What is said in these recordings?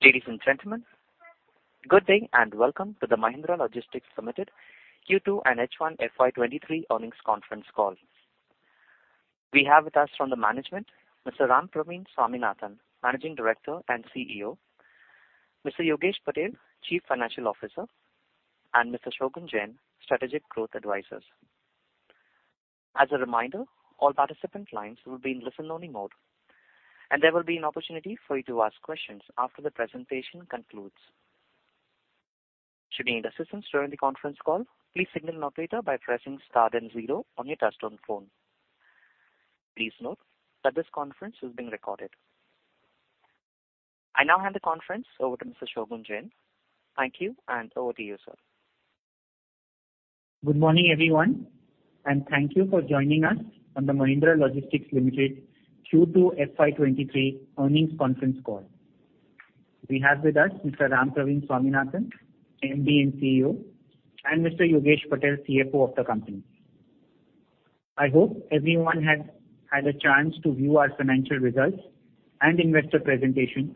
Ladies and gentlemen, good day, and welcome to the Mahindra Logistics Limited Q2 and H1 FY23 earnings conference call. We have with us from the management, Mr. Rampraveen Swaminathan, Managing Director and CEO, Mr. Yogesh Patel, Chief Financial Officer, and Mr. Shogun Jain, Strategic Growth Advisors. As a reminder, all participant lines will be in listen-only mode, and there will be an opportunity for you to ask questions after the presentation concludes. Should you need assistance during the conference call, please signal an operator by pressing star then zero on your touchtone phone. Please note that this conference is being recorded. I now hand the conference over to Mr. Shogun Jain. Thank you, and over to you, sir. Good morning, everyone, and thank you for joining us on the Mahindra Logistics Limited Q2 FY23 earnings conference call. We have with us Mr. Rampraveen Swaminathan, MD and CEO, and Mr. Yogesh Patel, CFO of the company. I hope everyone has had a chance to view our financial results and investor presentation,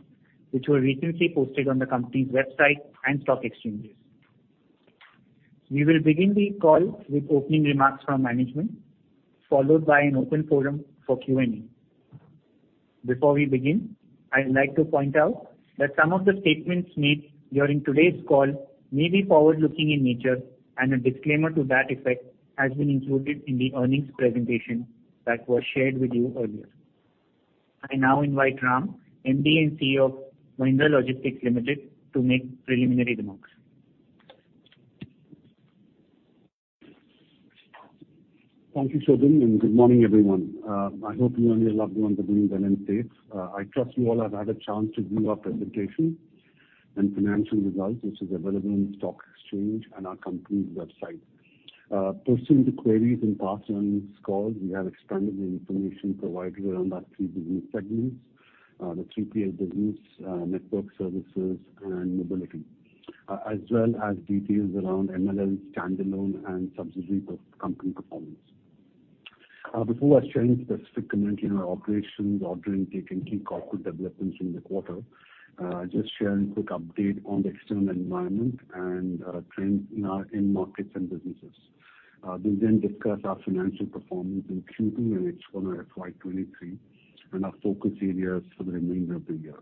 which were recently posted on the company's website and stock exchanges. We will begin the call with opening remarks from management, followed by an open forum for Q&A. Before we begin, I'd like to point out that some of the statements made during today's call may be forward-looking in nature, and a disclaimer to that effect has been included in the earnings presentation that was shared with you earlier. I now invite Rampraveen Swaminathan, MD and CEO of Mahindra Logistics Limited, to make preliminary remarks. Thank you, Shogun, and good morning, everyone. I hope you and your loved ones are doing well and safe. I trust you all have had a chance to view our presentation and financial results, which is available in the stock exchange and our company's website. Pursuant to queries in past earnings calls, we have expanded the information provided around our three business segments, the 3PL business, network services and mobility, as well as details around MLL standalone and subsidiary company performance. Before I share any specific commentary on our operations, order intake and key corporate developments in the quarter, I'll just share a quick update on the external environment and trends in our end markets and businesses. We'll then discuss our financial performance in Q2 and H1 of FY 2023 and our focus areas for the remainder of the year.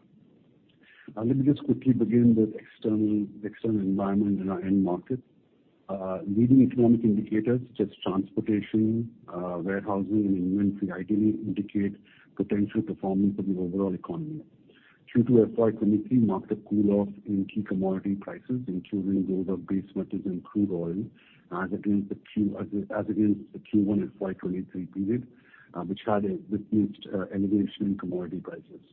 Let me just quickly begin with the external environment in our end markets. Leading economic indicators such as transportation, warehousing, and inventory ideally indicate potential performance of the overall economy. Q2 of FY 2023 marked a cool off in key commodity prices, including those of base metals and crude oil, as against the Q1 and FY 2023 period, which reached elevation in commodity prices.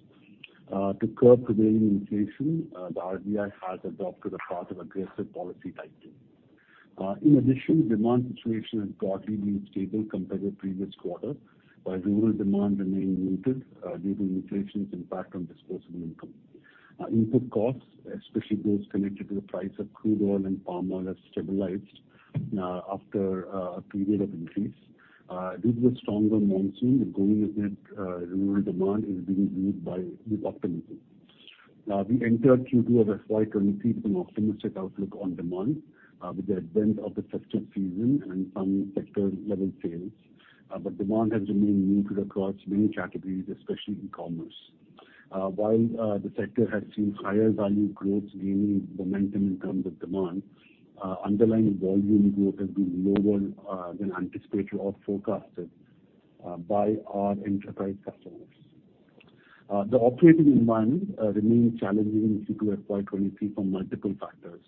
To curb prevailing inflation, the RBI has adopted a path of aggressive policy tightening. In addition, demand situation has broadly been stable compared to previous quarter, with rural demand remaining muted due to inflation's impact on disposable income. Input costs, especially those connected to the price of crude oil and palm oil, have stabilized after a period of increase. Due to a stronger monsoon, the growing rural demand a bit is being viewed with optimism. We entered Q2 of FY 23 with an optimistic outlook on demand, with the advent of the festive season and some sector-level sales. Demand has remained muted across many categories, especially e-commerce. While the sector has seen higher value growth gaining momentum in terms of demand, underlying volume growth has been lower than anticipated or forecasted by our enterprise customers. The operating environment remained challenging in Q2 FY 23 for multiple factors.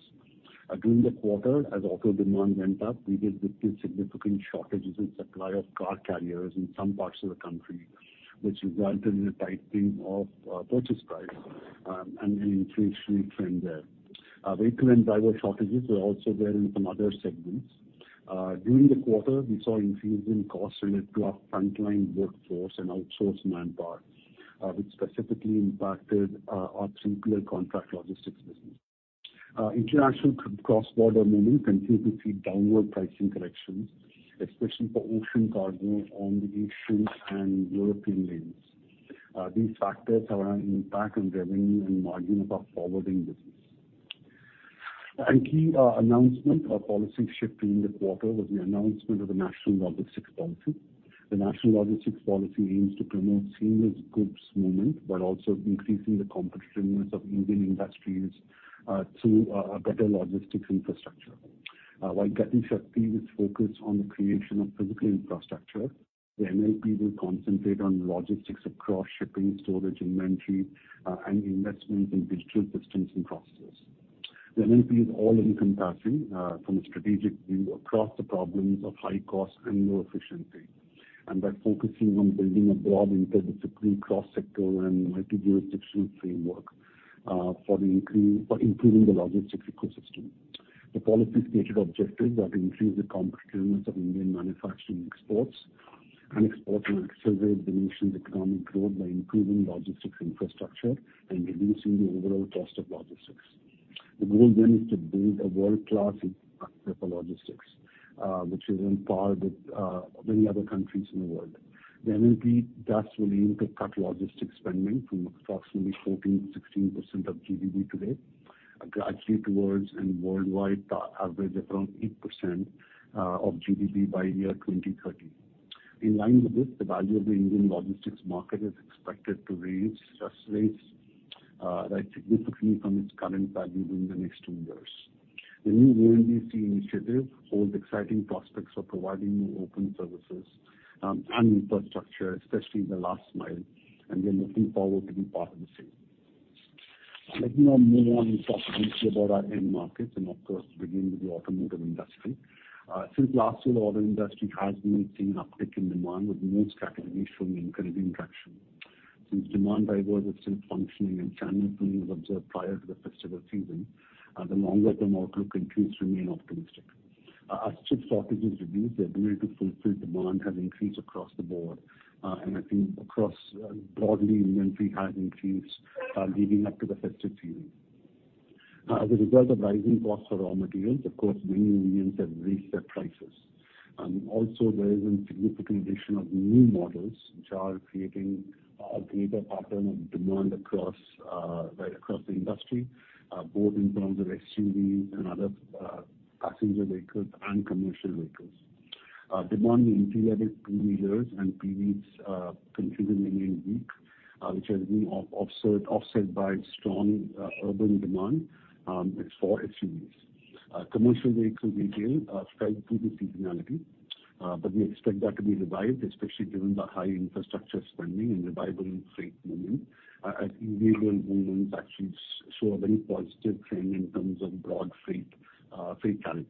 During the quarter, as auto demand went up, we did witness significant shortages in supply of car carriers in some parts of the country, which resulted in a tightening of purchase price and an inflationary trend there. Vehicle and driver shortages were also there in some other segments. During the quarter, we saw increase in costs related to our frontline workforce and outsourced manpower, which specifically impacted our 3PL contract logistics business. International cross-border movement continued to see downward pricing corrections, especially for ocean cargo on the Asian and European lanes. These factors have an impact on revenue and margin of our forwarding business. A key announcement or policy shift during the quarter was the announcement of the National Logistics Policy. The National Logistics Policy aims to promote seamless goods movement, but also increasing the competitiveness of Indian industries, through a better logistics infrastructure. While Gati Shakti is focused on the creation of physical infrastructure, the NLP will concentrate on logistics across shipping, storage, inventory, and investments in digital systems and processes. The NLP is all-encompassing, from a strategic view across the problems of high cost and low efficiency, and by focusing on building a broad, interdisciplinary, cross-sector and multi-jurisdictional framework, for improving the logistics ecosystem. The policy's stated objective are to increase the competitiveness of Indian manufacturing exports and export and accelerate the nation's economic growth by improving logistics infrastructure and reducing the overall cost of logistics. The goal is to build a world-class logistics, which is on par with, many other countries in the world. The NLP thus will aim to cut logistics spending from approximately 14%-16% of GDP today, gradually towards a worldwide average of around 8%, of GDP by 2030. In line with this, the value of the Indian logistics market is expected to reach rise significantly from its current value during the next two years. The new NLP initiative holds exciting prospects for providing new open services and infrastructure, especially in the last mile, and we are looking forward to be part of the same. Let me now move on and talk a little bit about our end markets and of course begin with the automotive industry. Since last year, the auto industry has been seeing an uptick in demand, with most categories showing encouraging traction. Since demand drivers are still functioning and channel pull was observed prior to the festival season, the longer-term outlook continues to remain optimistic. As chip shortages reduce, the ability to fulfill demand has increased across the board, and I think across broadly inventory has increased, leading up to the festive season. As a result of rising costs for raw materials, of course, many OEMs have raised their prices. Also there is a significant addition of new models which are creating greater pattern of demand across right across the industry both in terms of SUVs and other passenger vehicles and commercial vehicles. Demand in entry-level two-wheelers and three-wheels continue remaining weak, which has been offset by strong urban demand for SUVs. Commercial vehicle retail fell due to seasonality, but we expect that to be revived, especially given the high infrastructure spending and revival in freight movement. I think regional movements actually show a very positive trend in terms of broad freight carriage.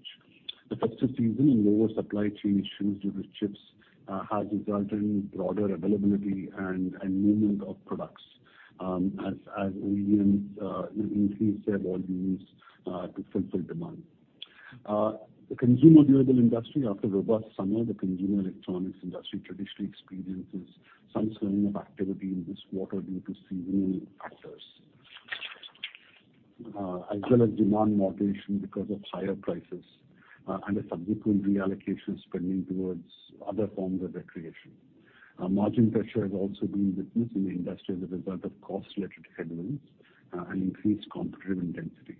The festive season and lower supply chain issues due to chips has resulted in broader availability and movement of products, as OEMs increase their volumes to fulfill demand. The consumer durable industry, after a robust summer, the consumer electronics industry traditionally experiences some slowing of activity in this quarter due to seasonal factors, as well as demand moderation because of higher prices and the subsequent reallocation spending towards other forms of recreation. Margin pressure has also been witnessed in the industry as a result of cost-related headwinds and increased competitive intensity.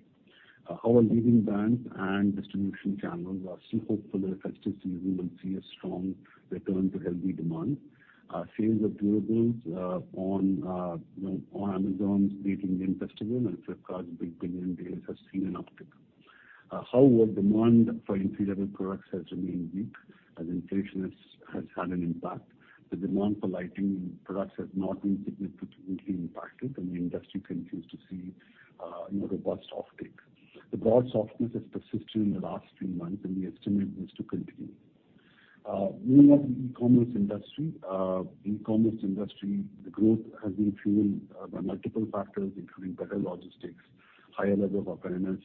Our leading brands and distribution channels are still hopeful that festive season will see a strong return to healthy demand. Sales of durables on Amazon's Great Indian Festival and Flipkart's Big Billion Days has seen an uptick. However, demand for entry-level products has remained weak as inflation has had an impact. The demand for lighting products has not been significantly impacted, and the industry continues to see, you know, robust offtake. The broad softness has persisted in the last three months, and we estimate this to continue. Moving on to the e-commerce industry. The e-commerce industry growth has been fueled by multiple factors, including better logistics, higher level of awareness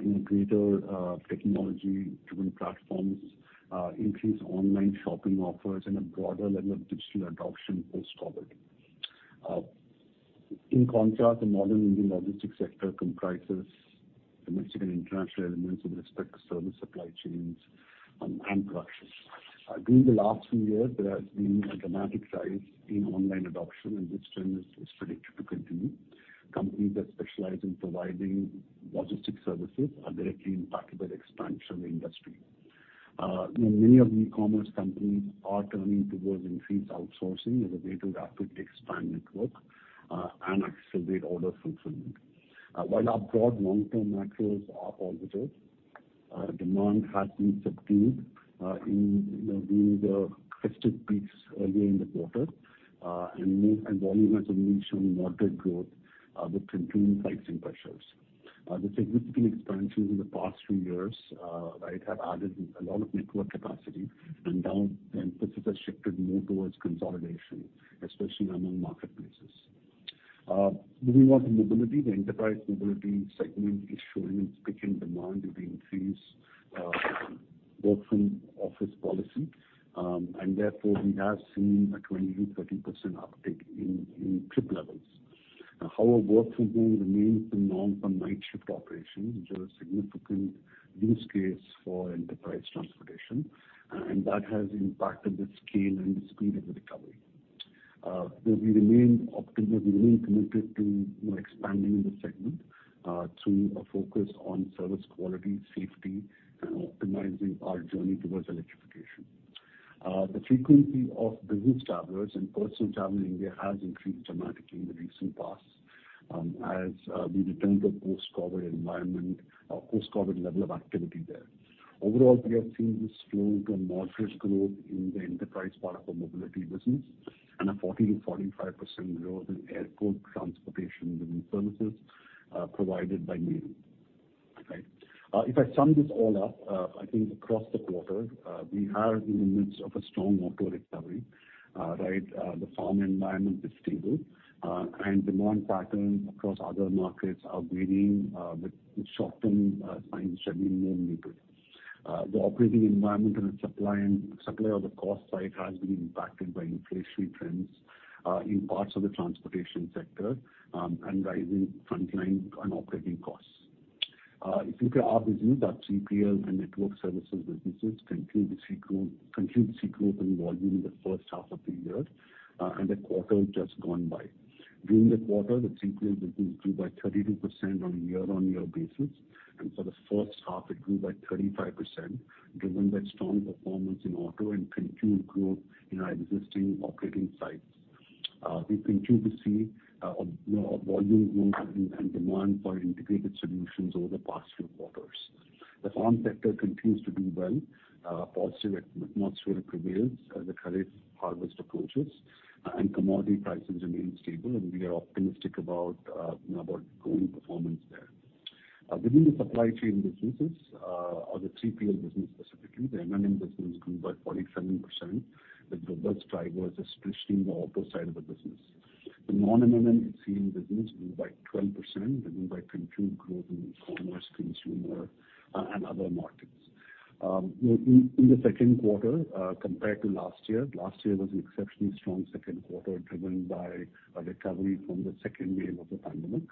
in greater technology-driven platforms, increased online shopping offers and a broader level of digital adoption post-COVID. In contrast, the modern Indian logistics sector comprises domestic and international elements with respect to service supply chains and products. During the last few years, there has been a dramatic rise in online adoption, and this trend is predicted to continue. Companies that specialize in providing logistics services are directly impacted by the expansion of the industry. You know, many of the e-commerce companies are turning towards increased outsourcing as a way to rapidly expand network and accelerate order fulfillment. While our broad long-term macros are positive, demand has been subdued in you know during the festive peaks earlier in the quarter, and volume has only shown moderate growth with continuing pricing pressures. The significant expansions in the past few years, right, have added a lot of network capacity, and now the emphasis has shifted more towards consolidation, especially among marketplaces. Moving on to mobility. The enterprise mobility segment is showing a spike in demand due to increased work from office policy, and therefore we have seen a 20%-30% uptick in trip levels. However, work from home remains a norm for night shift operations, which are a significant use case for enterprise transportation, and that has impacted the scale and speed of the recovery. We remain optimistic. We remain committed to, you know, expanding in the segment through a focus on service quality, safety, and optimizing our journey towards electrification. The frequency of business travelers and personal travel in India has increased dramatically in the recent past, as we return to a post-COVID environment or post-COVID level of activity there. Overall, we have seen this slow to a modest growth in the enterprise part of our mobility business and a 40%-45% growth in airport transportation delivery services, provided by Meru. Right? If I sum this all up, I think across the quarter, we are in the midst of a strong auto recovery. Right? The farm environment is stable, and demand patterns across other markets are varying, with softening signs showing more muted. The operating environment on the supply and cost side has been impacted by inflationary trends, in parts of the transportation sector, and rising frontline and operating costs. As you can see, the 3PL and network services businesses continue to see growth in volume in the first half of the year, and the quarter just gone by. During the quarter, the 3PL business grew by 32% on a year-on-year basis, and for the first half it grew by 35%, driven by strong performance in auto and continued growth in our existing operating sites. We continue to see, you know, a volume growth in demand for our integrated solutions over the past few quarters. The farm sector continues to do well, positive atmosphere prevails as the current harvest approaches, and commodity prices remain stable, and we are optimistic about, you know, about growing performance there. Within the supply chain businesses, or the 3PL business specifically, the M&M business grew by 47%, with the best drivers especially in the auto side of the business. The non-M&M SCM business grew by 12%, driven by continued growth in commerce, consumer, and other markets. In the second quarter, compared to last year, last year was an exceptionally strong second quarter, driven by a recovery from the second wave of the pandemic.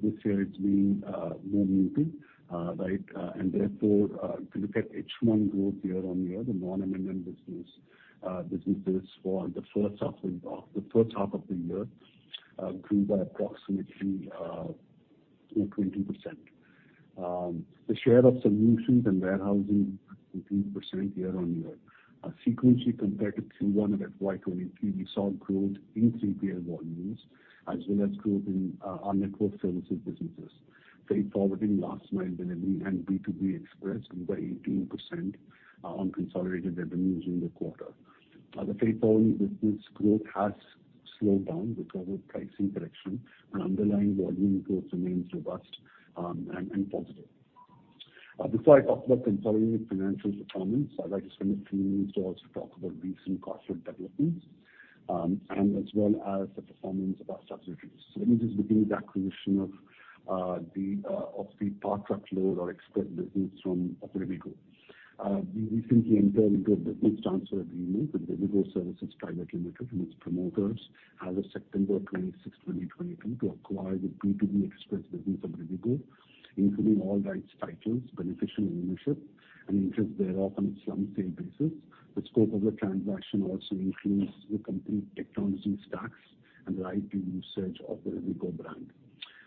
This year it's been more muted, right? Therefore, if you look at H1 growth year-on-year, the non-M&M businesses for the first half of the year grew by approximately 2%-20%. The share of solutions and warehousing grew 3% year-on-year. Sequentially compared to Q1 of FY 2023, we saw growth in 3PL volumes as well as growth in our network services businesses. Freight forwarding, last mile delivery, and B2B Express grew by 18% on consolidated revenues in the quarter. The freight forwarding business growth has slowed down because of pricing correction, and underlying volume growth remains robust and positive. Before I talk about consolidated financial performance, I'd like to spend a few minutes to also talk about recent corporate developments and as well as the performance of our subsidiaries. Let me just begin with the acquisition of the B2B express business from Rivigo. We recently entered into a business transfer agreement with Rivigo Services Private Limited and its promoters as of September 26, 2022, to acquire the B2B Express business of Rivigo, including all rights, titles, beneficial ownership, and interest thereof on a slump sale basis. The scope of the transaction also includes the complete technology stacks and the IP usage of the Rivigo brand.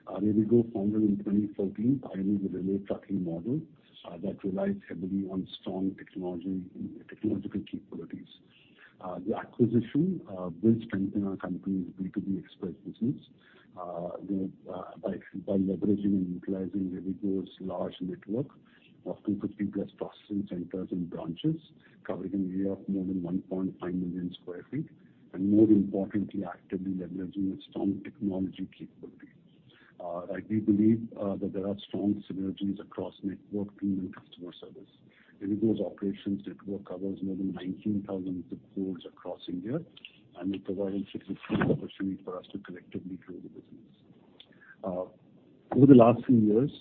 Rivigo, founded in 2014, pioneered the relay trucking model that relies heavily on strong technology and technological capabilities. The acquisition will strengthen our company's B2B Express business, you know, by leveraging and utilizing Rivigo's large network of 200+ processing centers and branches covering an area of more than 1.5 million sq ft, and more importantly, actively leveraging its strong technology capabilities. We believe that there are strong synergies across network, team, and customer service. Rivigo's operations network covers more than 19,000 zip codes across India, and it provides a significant opportunity for us to collectively grow the business. Over the last few years,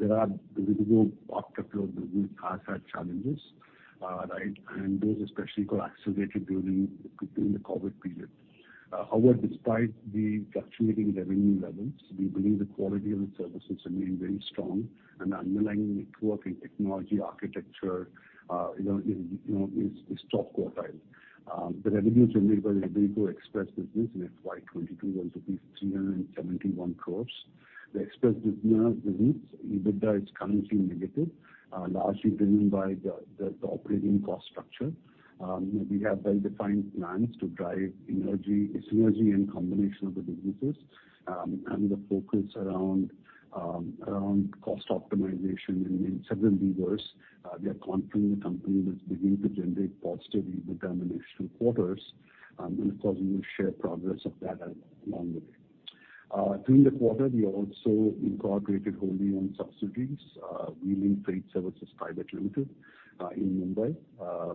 you know, the Rivigo PTL truckload business has had challenges, right? Those especially got accelerated during the COVID period. However, despite the fluctuating revenue levels, we believe the quality of its services remain very strong, and the underlying network and technology architecture, you know, is top quartile. The revenues earned by Rivigo Express business in FY 2022 were INR 371 crores. The Express business EBITDA is currently negative, largely driven by the operating cost structure. You know, we have well-defined plans to drive synergy and combination of the businesses, and the focus around cost optimization in several levers. We are confident the company will begin to generate positive EBITDA in next two quarters, and of course we will share progress of that along the way. During the quarter, we also incorporated wholly owned subsidiaries. V-Link Freight Services Private Limited in Mumbai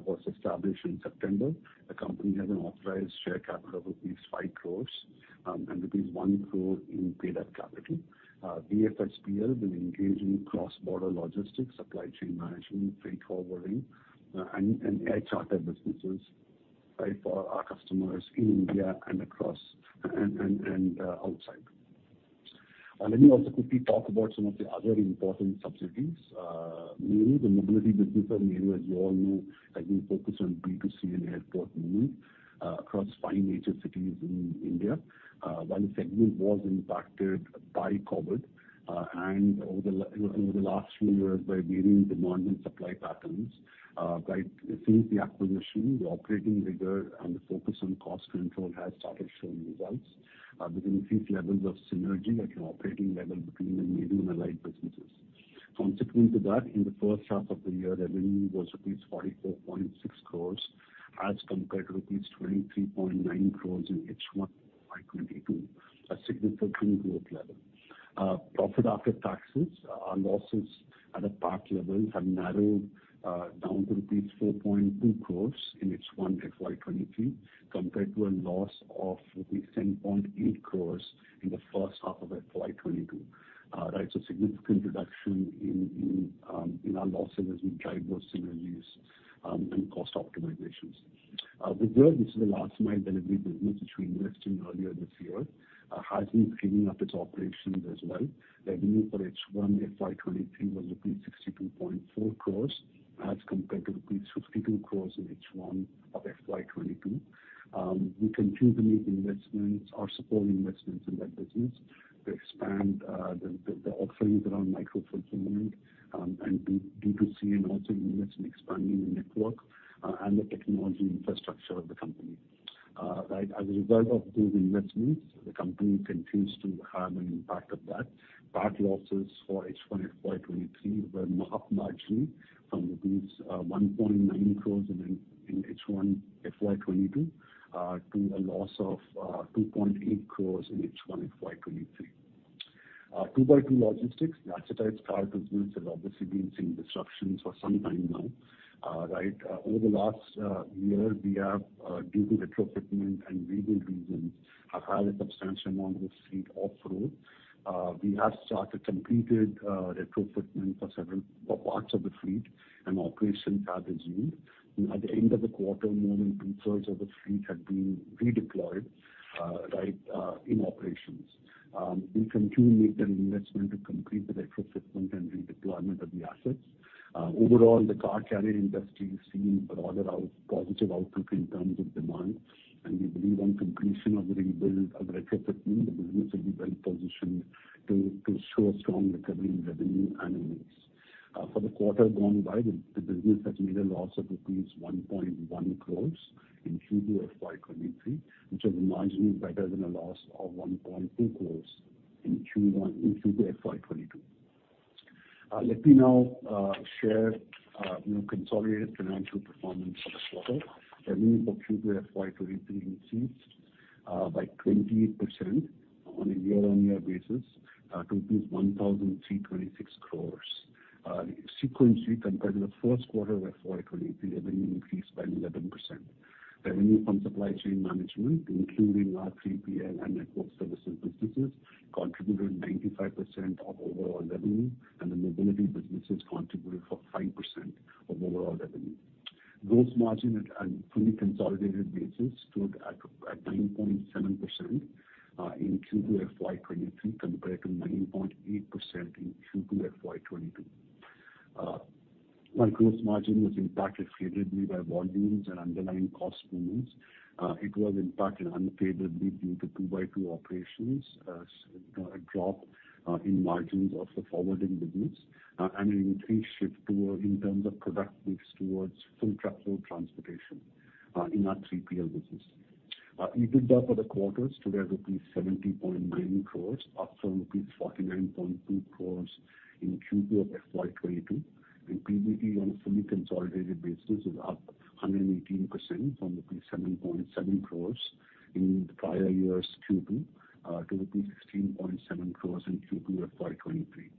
was established in September. The company has an authorized share capital of 5 crores and 1 crore in paid-up capital. VFSPL will engage in cross-border logistics, supply chain management, freight forwarding, and air charter businesses, right, for our customers in India and outside. Let me also quickly talk about some of the other important subsidiaries. Mainly the mobility business of Meru, as you all know, has been focused on B2C and airport movement across five major cities in India. While the segment was impacted by COVID and over the last few years by varying demand and supply patterns, since the acquisition, the operating rigor and the focus on cost control has started showing results. We can see levels of synergy at an operating level between the Meru and Allied businesses. Consequent to that, in the first half of the year, revenue was rupees 44.6 crores as compared to rupees 23.9 crores in H1 FY 2022, a significant growth level. Profit after taxes, our losses at a PAT level have narrowed down to rupees 4.2 crores in H1 FY 2023, compared to a loss of rupees 10.8 crores in the first half of FY 2022. Right. Significant reduction in in our losses as we drive those synergies and cost optimizations. The third, which is the last mile delivery business which we invested earlier this year, has been scaling up its operations as well. Revenue for H1 FY 2023 was 62.4 crores as compared to rupees 52 crores in H1 of FY 2022. We continue to make investments or support investments in that business to expand the offerings around micro fulfillment and B2C and also invest in expanding the network and the technology infrastructure of the company. Right. As a result of those investments, the company continues to have an impact of that. PAT losses for H1 FY 2023 were up marginally from 1.9 crores in H1 FY 2022 to a loss of 2.8 crores in H1 FY 2023. 2x2 Logistics, the asset-light car business has obviously been seeing disruptions for some time now, right. Over the last year, due to retrofitting and rebuild reasons, we have had a substantial amount of fleet off road. We have completed retrofitting for several parts of the fleet and operations have resumed. At the end of the quarter, more than two-thirds of the fleet had been redeployed in operations. We continue to make an investment to complete the retrofitment and redeployment of the assets. Overall, the car carrier industry is seeing a rather positive outlook in terms of demand, and we believe on completion of the rebuild of retrofitment, the business will be well positioned to show a strong recovery in revenue and in mix. For the quarter gone by, the business has made a loss of rupees 1.1 crore in Q2 FY 2023, which is marginally better than a loss of 1.2 crore in Q2 FY 2022. Let me now share, you know, consolidated financial performance for the quarter. Revenue for Q2 FY 2023 increased by 28% on a year-on-year basis to 1,326 crore. Sequentially compared to the first quarter of FY 2023, revenue increased by 11%. Revenue from supply chain management, including our 3PL and network services businesses, contributed 95% of overall revenue, and the mobility businesses contributed to 5% of overall revenue. Gross margin at a fully consolidated basis stood at 9.7% in Q2 FY 2023 compared to 9.8% in Q2 FY 2022. While gross margin was impacted favorably by volumes and underlying cost movements, it was impacted unfavorably due to 2x2 operations, so a drop in margins of the forwarding business, and an increased shift toward in terms of product mix towards full truckload transportation in our 3PL business. EBITDA for the quarter stood at rupees 70.9 crores, up from rupees 49.2 crores in Q2 of FY 2022, and PBT on a fully consolidated basis was up 118% from rupees 7.7 crores in the prior year's Q2 to rupees 16.7 crores in Q2 of FY 2023.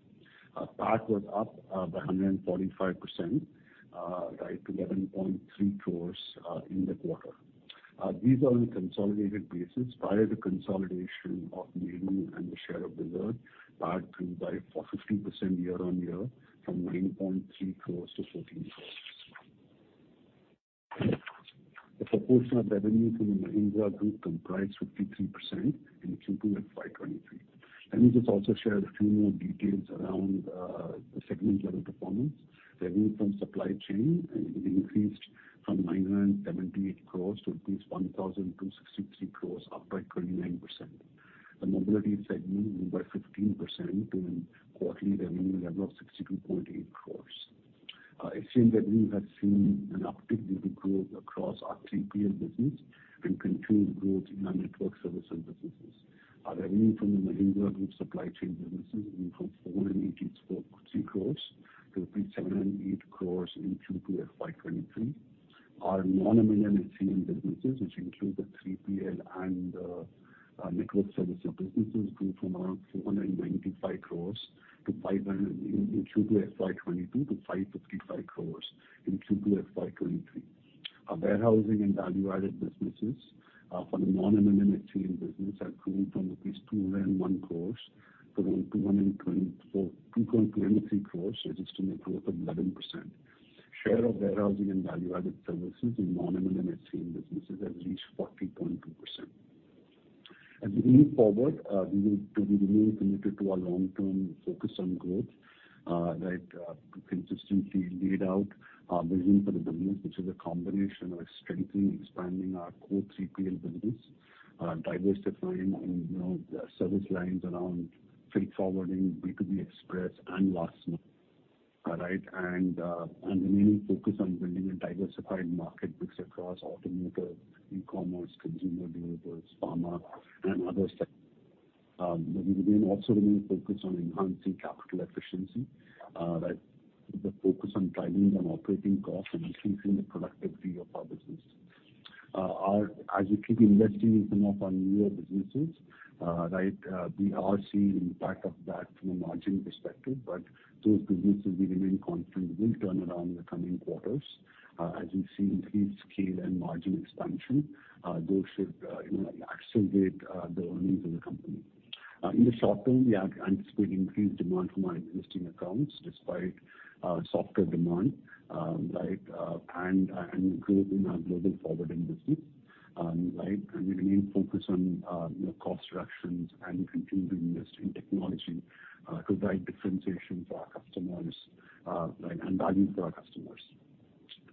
PAT was up by 145% to 11.3 crores in the quarter. These are on a consolidated basis. Prior to consolidation of Maersk and the share of the third, PAT grew by 42% year-on-year from 9.3 crores to 14 crores. The proportion of revenue from the Mahindra Group comprised 53% in Q2 FY 2023. Let me just also share a few more details around the segment-level performance. Revenue from supply chain, it increased from 978 crores to 1,263 croresup by 29%. The mobility segment grew by 15% to a quarterly revenue level of 62.8 crores. It seems that we have seen an uptick in the growth across our 3PL business and continued growth in our network services businesses. Our revenue from the Mahindra Group supply chain businesses grew from 484 crores to 708 crore in Q2 FY 2023. Our non-M&M SCM businesses, which include the 3PL and network services businesses, grew from around 495 croress in Q2 FY 2022 to INR 555 crores in Q2 FY 2023. Our warehousing and value-added businesses for the non-M&M business have grown from 201 crores to around 223 crores, registering a growth of 11%. Share of warehousing and value-added services in non-M&M businesses has reached 40.2%. As we move forward, we remain committed to our long-term focus on growth, consistently laid out our vision for the business, which is a combination of strengthening, expanding our core 3PL business, diversifying in, you know, service lines around freight forwarding, B2B express and last mile, and remaining focused on building a diversified market mix across automakers, e-commerce, consumer durables, pharma and other sectors. We also remain focused on enhancing capital efficiency, right, with a focus on driving down operating costs and increasing the productivity of our business. As we keep investing in some of our newer businesses, right, we are seeing impact of that from a margin perspective. But those businesses, we remain confident, will turn around in the coming quarters, as we see increased scale and margin expansion. Those should, you know, accelerate the earnings of the company. In the short term, we are anticipating increased demand from our existing accounts despite softer demand, like, and growth in our global forwarding industry, right, and we remain focused on, you know, cost reductions and continuing to invest in technology to drive differentiation for our customers, right, and value for our customers.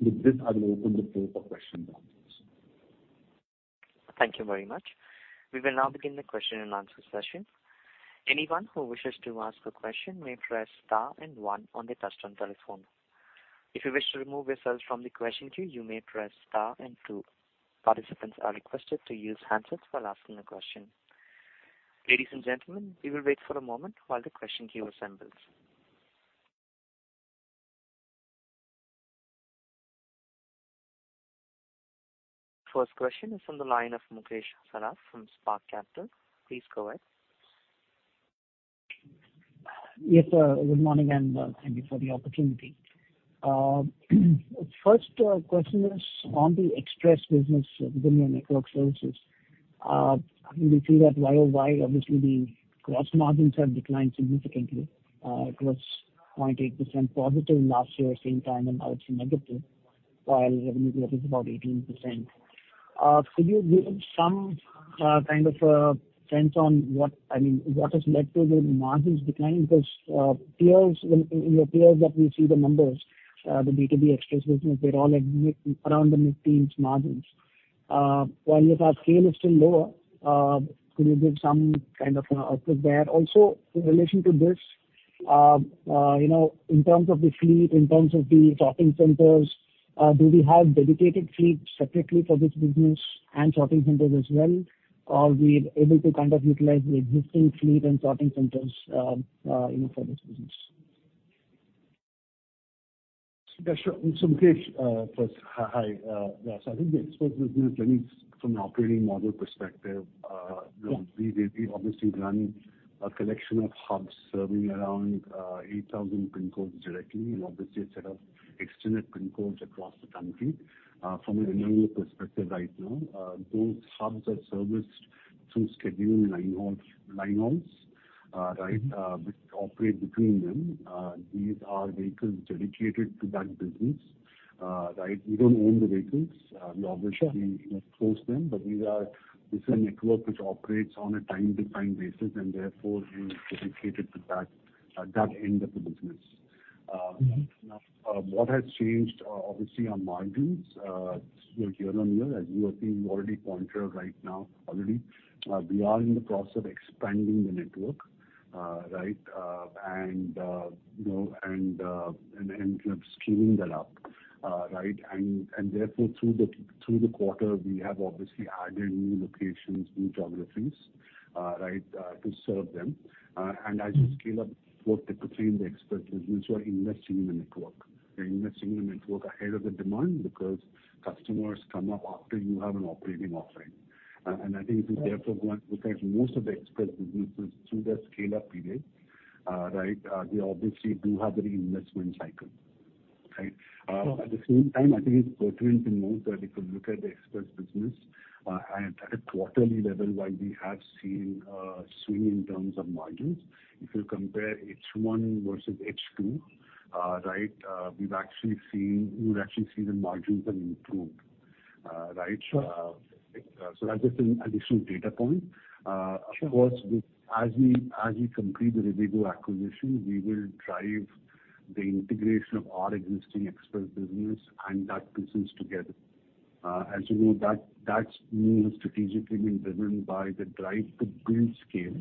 With this, I will open the floor for question and answers. Thank you very much. We will now begin the question and answer session. Anyone who wishes to ask a question may press star and one on their touch-tone telephone. If you wish to remove yourself from the question queue, you may press star and two. Participants are requested to use handsets while asking a question. Ladies and gentlemen, we will wait for a moment while the question queue assembles. First question is on the line of Mukesh Saraf from Spark Capital. Please go ahead. Yes, sir. Good morning, and thank you for the opportunity. First question is on the express business within your network services. We see that Year-over-Year, obviously, the gross margins have declined significantly. It was 0.8% positive last year same time, and now it's negative, while revenue growth is about 18%. Could you give some kind of trends on what I mean, what has led to the margins decline? Because peers, when in your peers that we see the numbers, the B2B express business, they're all at mid around the mid-teens margins. While your scale is still lower, could you give some kind of an update there? Also, in relation to this, you know, in terms of the fleet, in terms of the sorting centers, do we have dedicated fleet separately for this business and sorting centers as well? Or we're able to kind of utilize the existing fleet and sorting centers, you know, for this business? Yeah, sure. Mukesh, first, hi. Yes, I think the express business, I mean, from an operating model perspective, Yeah. We obviously run a collection of hubs serving around 8,000 pin codes directly, and obviously a set of extended pin codes across the country. From an M&O perspective right now, those hubs are serviced through scheduled line hauls, right. Mm-hmm. which operate between them. These are vehicles dedicated to that business. Right? We don't own the vehicles. We obviously- Sure. you know, source them. But these are. This is a network which operates on a time-defined basis, and therefore is dedicated to that end of the business. Mm-hmm. Now, what has changed, obviously our margins year-on-year, as you have seen. We already pointed out right now already we are in the process of expanding the network, right, and you know, scaling that up, right? Therefore, through the quarter, we have obviously added new locations, new geographies, right, to serve them. As you scale up. Mm-hmm. We're investing in the network ahead of the demand because customers come up after you have an operating offering. I think it is therefore one. Sure. Because most of the express businesses through their scale-up period, right, they obviously do have a reinvestment cycle, right? Sure. At the same time, I think it's pertinent to note that if you look at the express business at quarterly level, while we have seen a swing in terms of margins. If you compare H1 versus H2, right, we've actually seen you would actually see the margins have improved. Right? Sure. That's just an additional data point. Sure. Of course, as we complete the Rivigo acquisition, we will drive the integration of our existing express business and that business together. As you know, that's been strategically driven by the drive to build scale,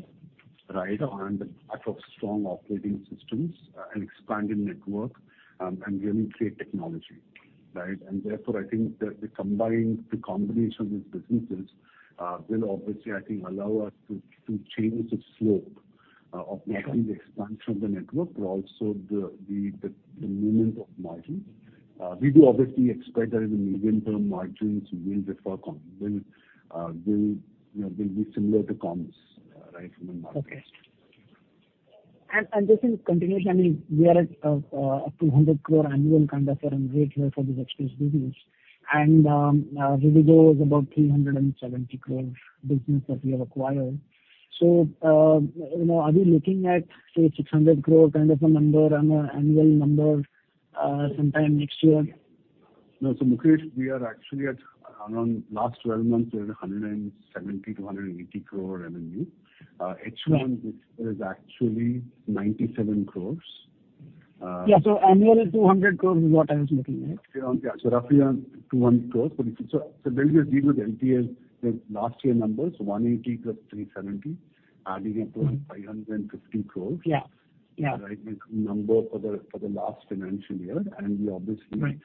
right, and the path of strong operating systems and expanding network and really create technology, right? Therefore, I think the combination of these businesses will obviously, I think, allow us to change the slope of not only the expansion of the network, but also the movement of margins. We do obviously expect that in the medium term, margins will, you know, be similar to comps, right, from a margin perspective. Okay. Just in continuation, I mean, we are at 200 crores annual kind of run rate here for this express business. Rivigo is about 370 crores business that we have acquired. Are we looking at, say, 600 crores kind of a number on a annual number sometime next year? Mukesh, we are actually at around last twelve months, we were at 170 crores-180 crores revenue. Yeah. This year is actually 97 crores. Yeah. Annually 200 crores is what I was looking at. Yeah. Roughly around 200 crore. When we deal with M&M as the last year numbers, 180 + 370, adding up to 550 crore. Yeah, yeah. Right? Number for the last financial year. Right.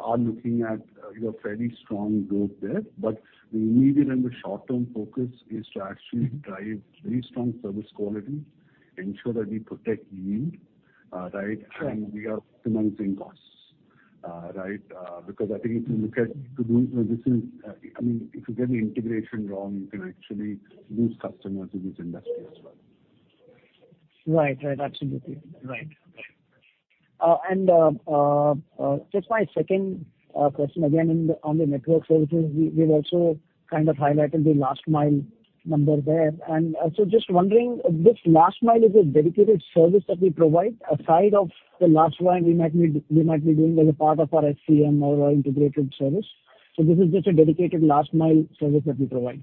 are looking at, you know, fairly strong growth there. But the immediate and the short-term focus is to actually drive very strong service quality, ensure that we protect yield, right. Sure. We are minimizing costs. Right? Because I think if you look at this, you know, this is, I mean, if you get the integration wrong, you can actually lose customers in this industry as well. Just my second question again on the network services. We've also kind of highlighted the last mile number there. Also just wondering, this last mile is a dedicated service that we provide aside from the last mile we might be doing as a part of our SCM or our integrated service. This is just a dedicated last mile service that we provide.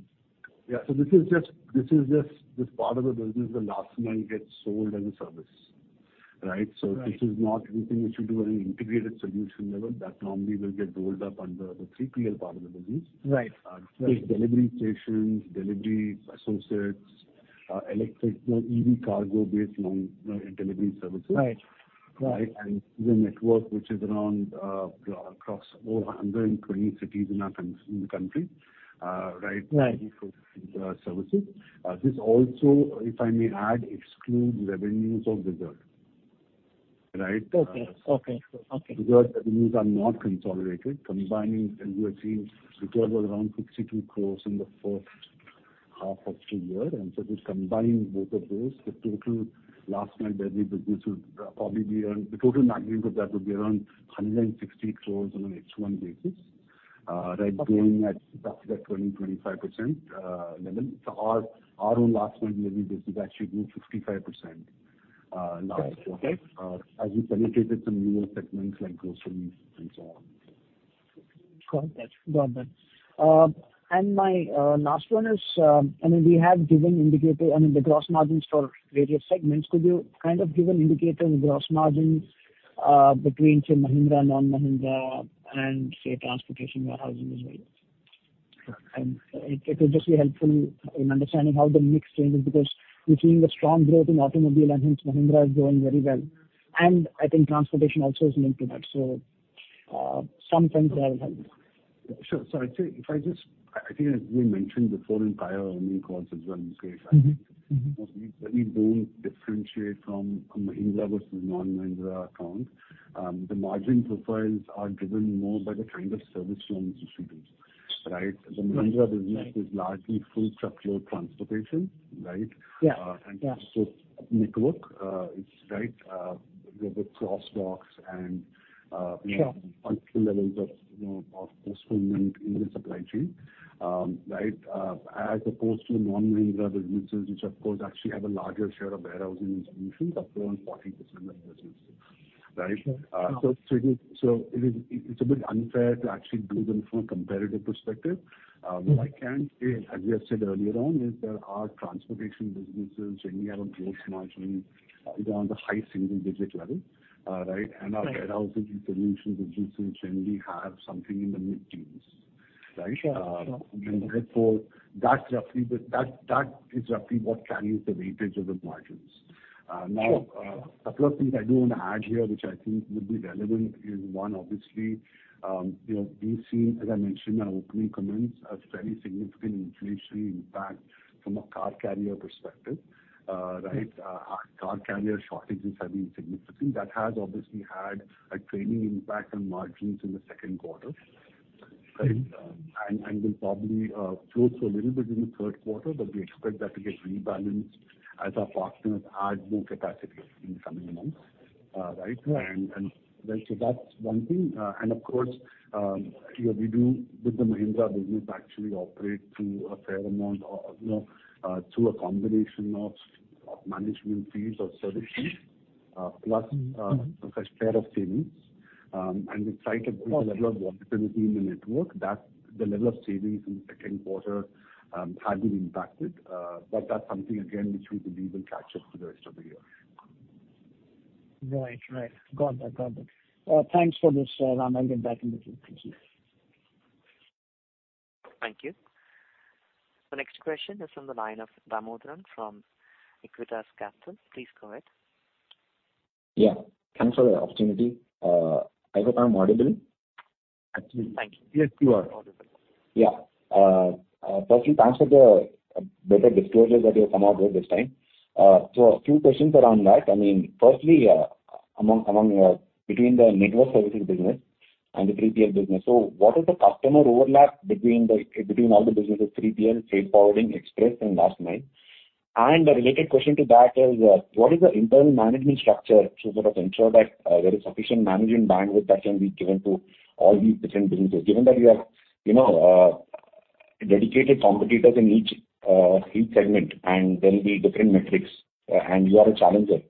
Yeah. This is just this part of the business, the last mile gets sold as a service, right? Right. This is not anything which we do at an integrated solution level that normally will get rolled up under the 3PL part of the business. Right. This delivery stations, delivery associates, electric, you know, EV cargo based, you know, delivery services. Right. Right. Right. The network which is around across over 120 cities in our country, right? Right. For services. This also, if I may add, excludes revenues of the JV, right? Okay. Whizzard revenues are not consolidated. Combining, as you would see, Whizzard was around 52 crores in the first half of the year. If you combine both of those, the total last mile delivery business. The total magnitude of that would be around 160 crores on a run-rate basis, right? Okay. Growing at roughly that 20-25% level. Our own last mile delivery business actually grew 55% last quarter. Okay. As we penetrated some newer segments like groceries and so on. Got that. My last one is, I mean, the gross margins for various segments. Could you kind of give an indicator on the gross margins between, say, Mahindra and non-Mahindra and, say, transportation warehousing as well? It will just be helpful in understanding how the mix changes because we're seeing a strong growth in automobile and hence Mahindra is growing very well. I think transportation also is linked to that. Some sense there will help. Sure. I'd say I think as we mentioned before in prior earnings calls as well, this case Mm-hmm. Mm-hmm. We don't differentiate from a Mahindra versus non-Mahindra account. The margin profiles are driven more by the kind of service one distributes, right? Right. Right. The Mahindra business is largely full truckload transportation, right? Yeah. Yeah. Also network, it's right, with the cross docks and Sure Multiple levels of, you know, of postponement in the supply chain. Right? As opposed to non-M&M businesses which of course actually have a larger share of warehousing solutions of around 40% of the business, right? Sure. It is. It's a bit unfair to actually view them from a comparative perspective. Mm-hmm. What I can say, as we have said earlier on, is that our transportation businesses generally have a gross margin around the high single-digit level%, right? Right. Our warehousing solutions businesses generally have something in the mid-teens, right? Sure. Sure. Therefore that is roughly what carries the weightage of the margins. Sure. Sure. A couple of things I do want to add here, which I think will be relevant is, one, obviously, you know, we've seen, as I mentioned in my opening comments, a fairly significant inflationary impact from a car carrier perspective, right? Our car carrier shortages have been significant. That has obviously had a trailing impact on margins in the second quarter, right? Right. will probably flow through a little bit in the third quarter, but we expect that to get rebalanced as our partners add more capacity in the coming months, right? Right. Right, so that's one thing. Of course, you know, we do with the Mahindra business actually operate through a fair amount of, you know, through a combination of management fees or service fees. Mm-hmm, mm-hmm Plus, a fair share of savings. We try to build- Of course. a level of profitability in the network. That's the level of savings in the second quarter, had been impacted. That's something again which we believe will catch up for the rest of the year. Right. Got that. Thanks for this, Rampraveen. I'll get back in the queue. Thank you. Thank you. The next question is from the line of Damodaran from Equirus Capital. Please go ahead. Yeah. Thanks for the opportunity. I hope I'm audible. Absolutely. Thank you. Yes, you are audible. Firstly, thanks for the better disclosures that you have come out with this time. A few questions around that. I mean, firstly, between the network services business and the 3PL business, what is the customer overlap between all the businesses, 3PL, freight forwarding, express and last mile? And a related question to that is, what is the internal management structure to sort of ensure that there is sufficient management bandwidth that can be given to all these different businesses? Given that you have, you know, dedicated competitors in each segment and there'll be different metrics, and you are a challenger.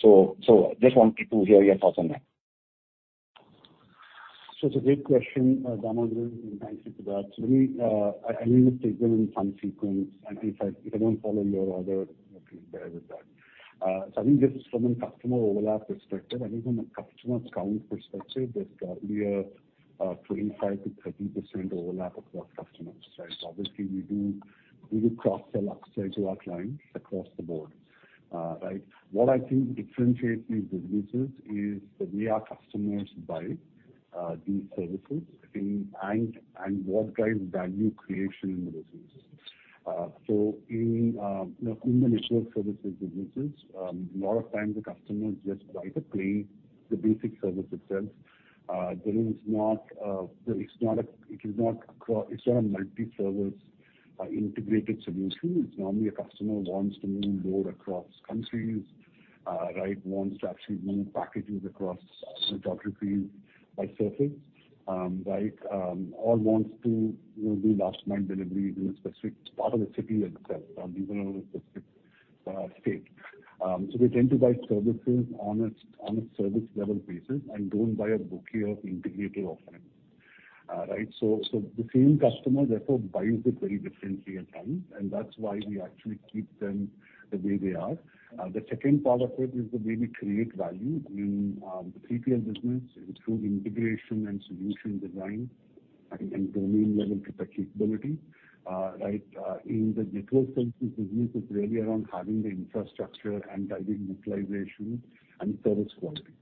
Just wanted to hear your thoughts on that. It's a great question, Damodaran, and thank you for that. Let me, I need to take them in some sequence. If I don't follow your order, you know, please bear with that. I think just from a customer overlap perspective and even a customer count perspective, there's probably a 25%-30% overlap of our customers, right? Obviously we do cross-sell outside to our clients across the board, right? What I think differentiates these businesses is that we are customers by these services and what drives value creation in the businesses. In the network services businesses, a lot of times the customers just buy the plain, the basic service itself. It's not a multi-service. Our integrated solutions. Normally, a customer wants to move load across countries, right? Wants to actually move packages across geographies by surface, right? Or wants to do last mile delivery in a specific part of the city itself, even a specific state. They tend to buy services on a service level basis and don't buy a bouquet of integrated offerings, right. The same customer therefore buys it very differently at times, and that's why we actually keep them the way they are. The second part of it is the way we create value in the TPL business through integration and solution design and domain-level capability, right? In the network services business is really around having the infrastructure and driving utilization and service quality,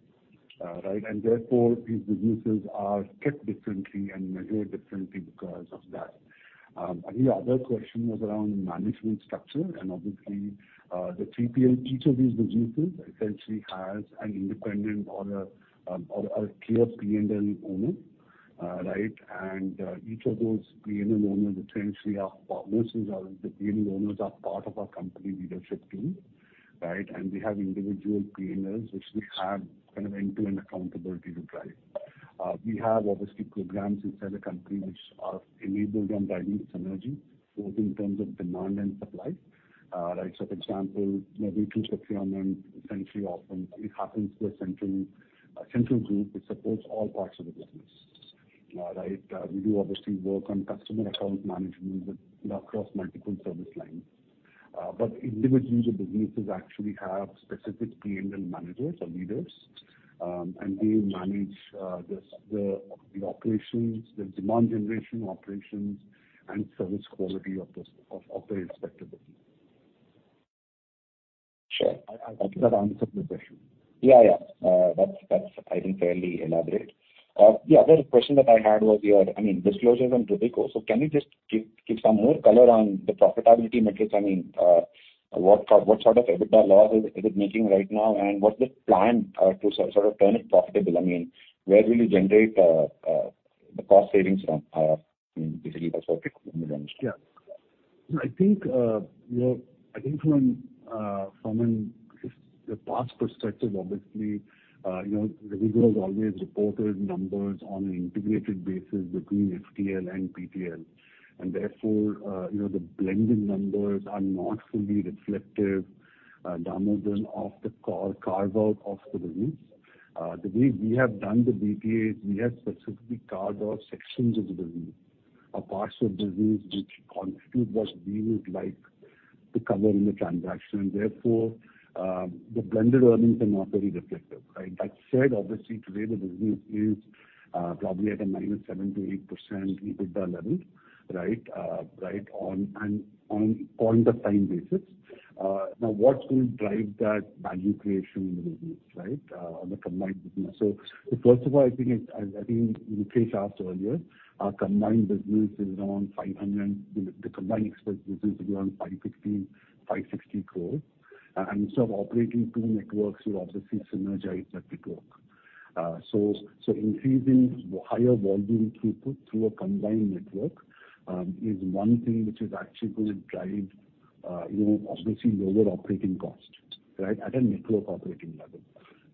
right? Therefore, these businesses are kept differently and measured differently because of that. I think the other question was around management structure, and obviously, the TPL, each of these businesses essentially has an independent or a clear P&L owner, right? Each of those P&L owners essentially, most of our P&L owners are part of our company leadership team, right? We have individual P&Ls which we have kind of end-to-end accountability to drive. We have, obviously, programs inside the company which are enabled and driving synergy, both in terms of demand and supply, right. For example, maybe procurement essentially often it happens through a central group which supports all parts of the business, right. We do obviously work on customer account management across multiple service lines. Individual businesses actually have specific P&L managers or leaders, and they manage the operations, the demand generation operations, and service quality of the respective business. Sure. I hope that answered the question. Yeah, yeah. That's I think fairly elaborate. The other question that I had was your, I mean, disclosures on Rivigo. Can you just give some more color on the profitability metrics? I mean, what sort of EBITDA loss is it making right now and what's the plan to sort of turn it profitable? I mean, where will you generate the cost savings from, basically for Rivigo when you launch? Yeah. I think, you know, I think from the past perspective, obviously, you know, the group has always reported numbers on an integrated basis between FTL and PTL. Therefore, you know, the blended numbers are not fully reflective, Damodaran, of the carve out of the business. The way we have done the BTAs, we have specifically carved out sections of the business or parts of business which constitute what we would like to cover in the transaction. Therefore, the blended earnings are not very reflective, right? That said, obviously, today the business is probably at a -7%-8% EBITDA level, right, on a point of time basis. Now what's going to drive that value creation in the business, right, on the combined business? First of all, I think it's, as I think Mukesh asked earlier, the combined express business is around 550-560 crore. Instead of operating two networks, we'll obviously synergize that network. Increasing higher volume throughput through a combined network is one thing which is actually going to drive you know obviously lower operating cost, right, at a network operating level.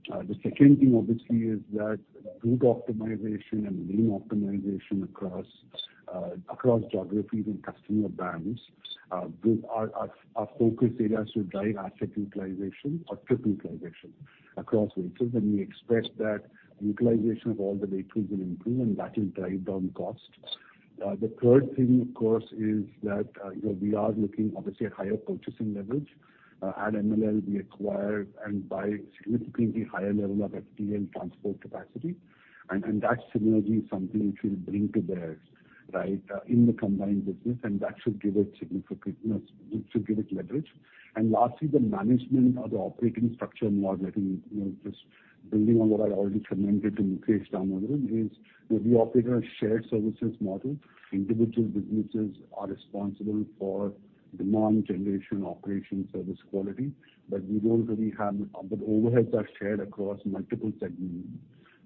The second thing obviously is that route optimization and lane optimization across geographies and customer bands those are focus areas to drive asset utilization or trip utilization across vehicles. We expect that utilization of all the vehicles will improve, and that will drive down costs. The third thing, of course, is that you know we are looking obviously at higher purchasing leverage. At MLL, we acquire and buy significantly higher level of FTL transport capacity, and that synergy is something which will bring to bear, right, in the combined business, and that should give it significant. It should give it leverage. Lastly, the management or the operating structure model. I think, you know, just building on what I already commented to Mukesh, Damodaran, is that we operate on a shared services model. Individual businesses are responsible for demand generation, operation, service quality. We don't really have. The overheads are shared across multiple segments,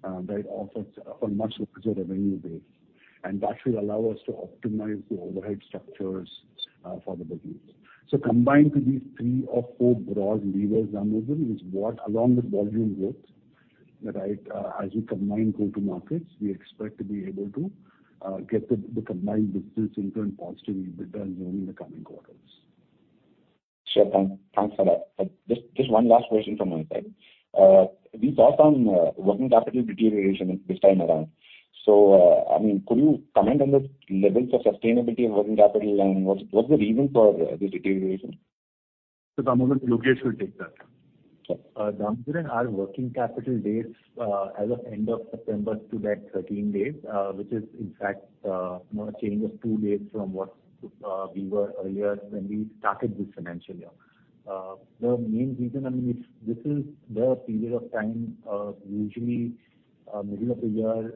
right, on much lesser revenue base. That should allow us to optimize the overhead structures for the business. Combined to these three or four broad levers, Damodaran, is what, along with volume growth, right, as we combine go-to-markets, we expect to be able to get the combined business into a positive EBITDA zone in the coming quarters. Sure. Thanks for that. Just one last question from my side. We saw some working capital deterioration this time around. I mean, could you comment on the levels of sustainability of working capital and what's the reason for the deterioration? Damodaran, Yogesh will take that. Sure. Damodaran, our working capital days, as of end of September stood at 13 days, which is in fact, you know, a change of two days from what we were earlier when we started this financial year. The main reason, I mean, this is the period of time, usually, middle of the year,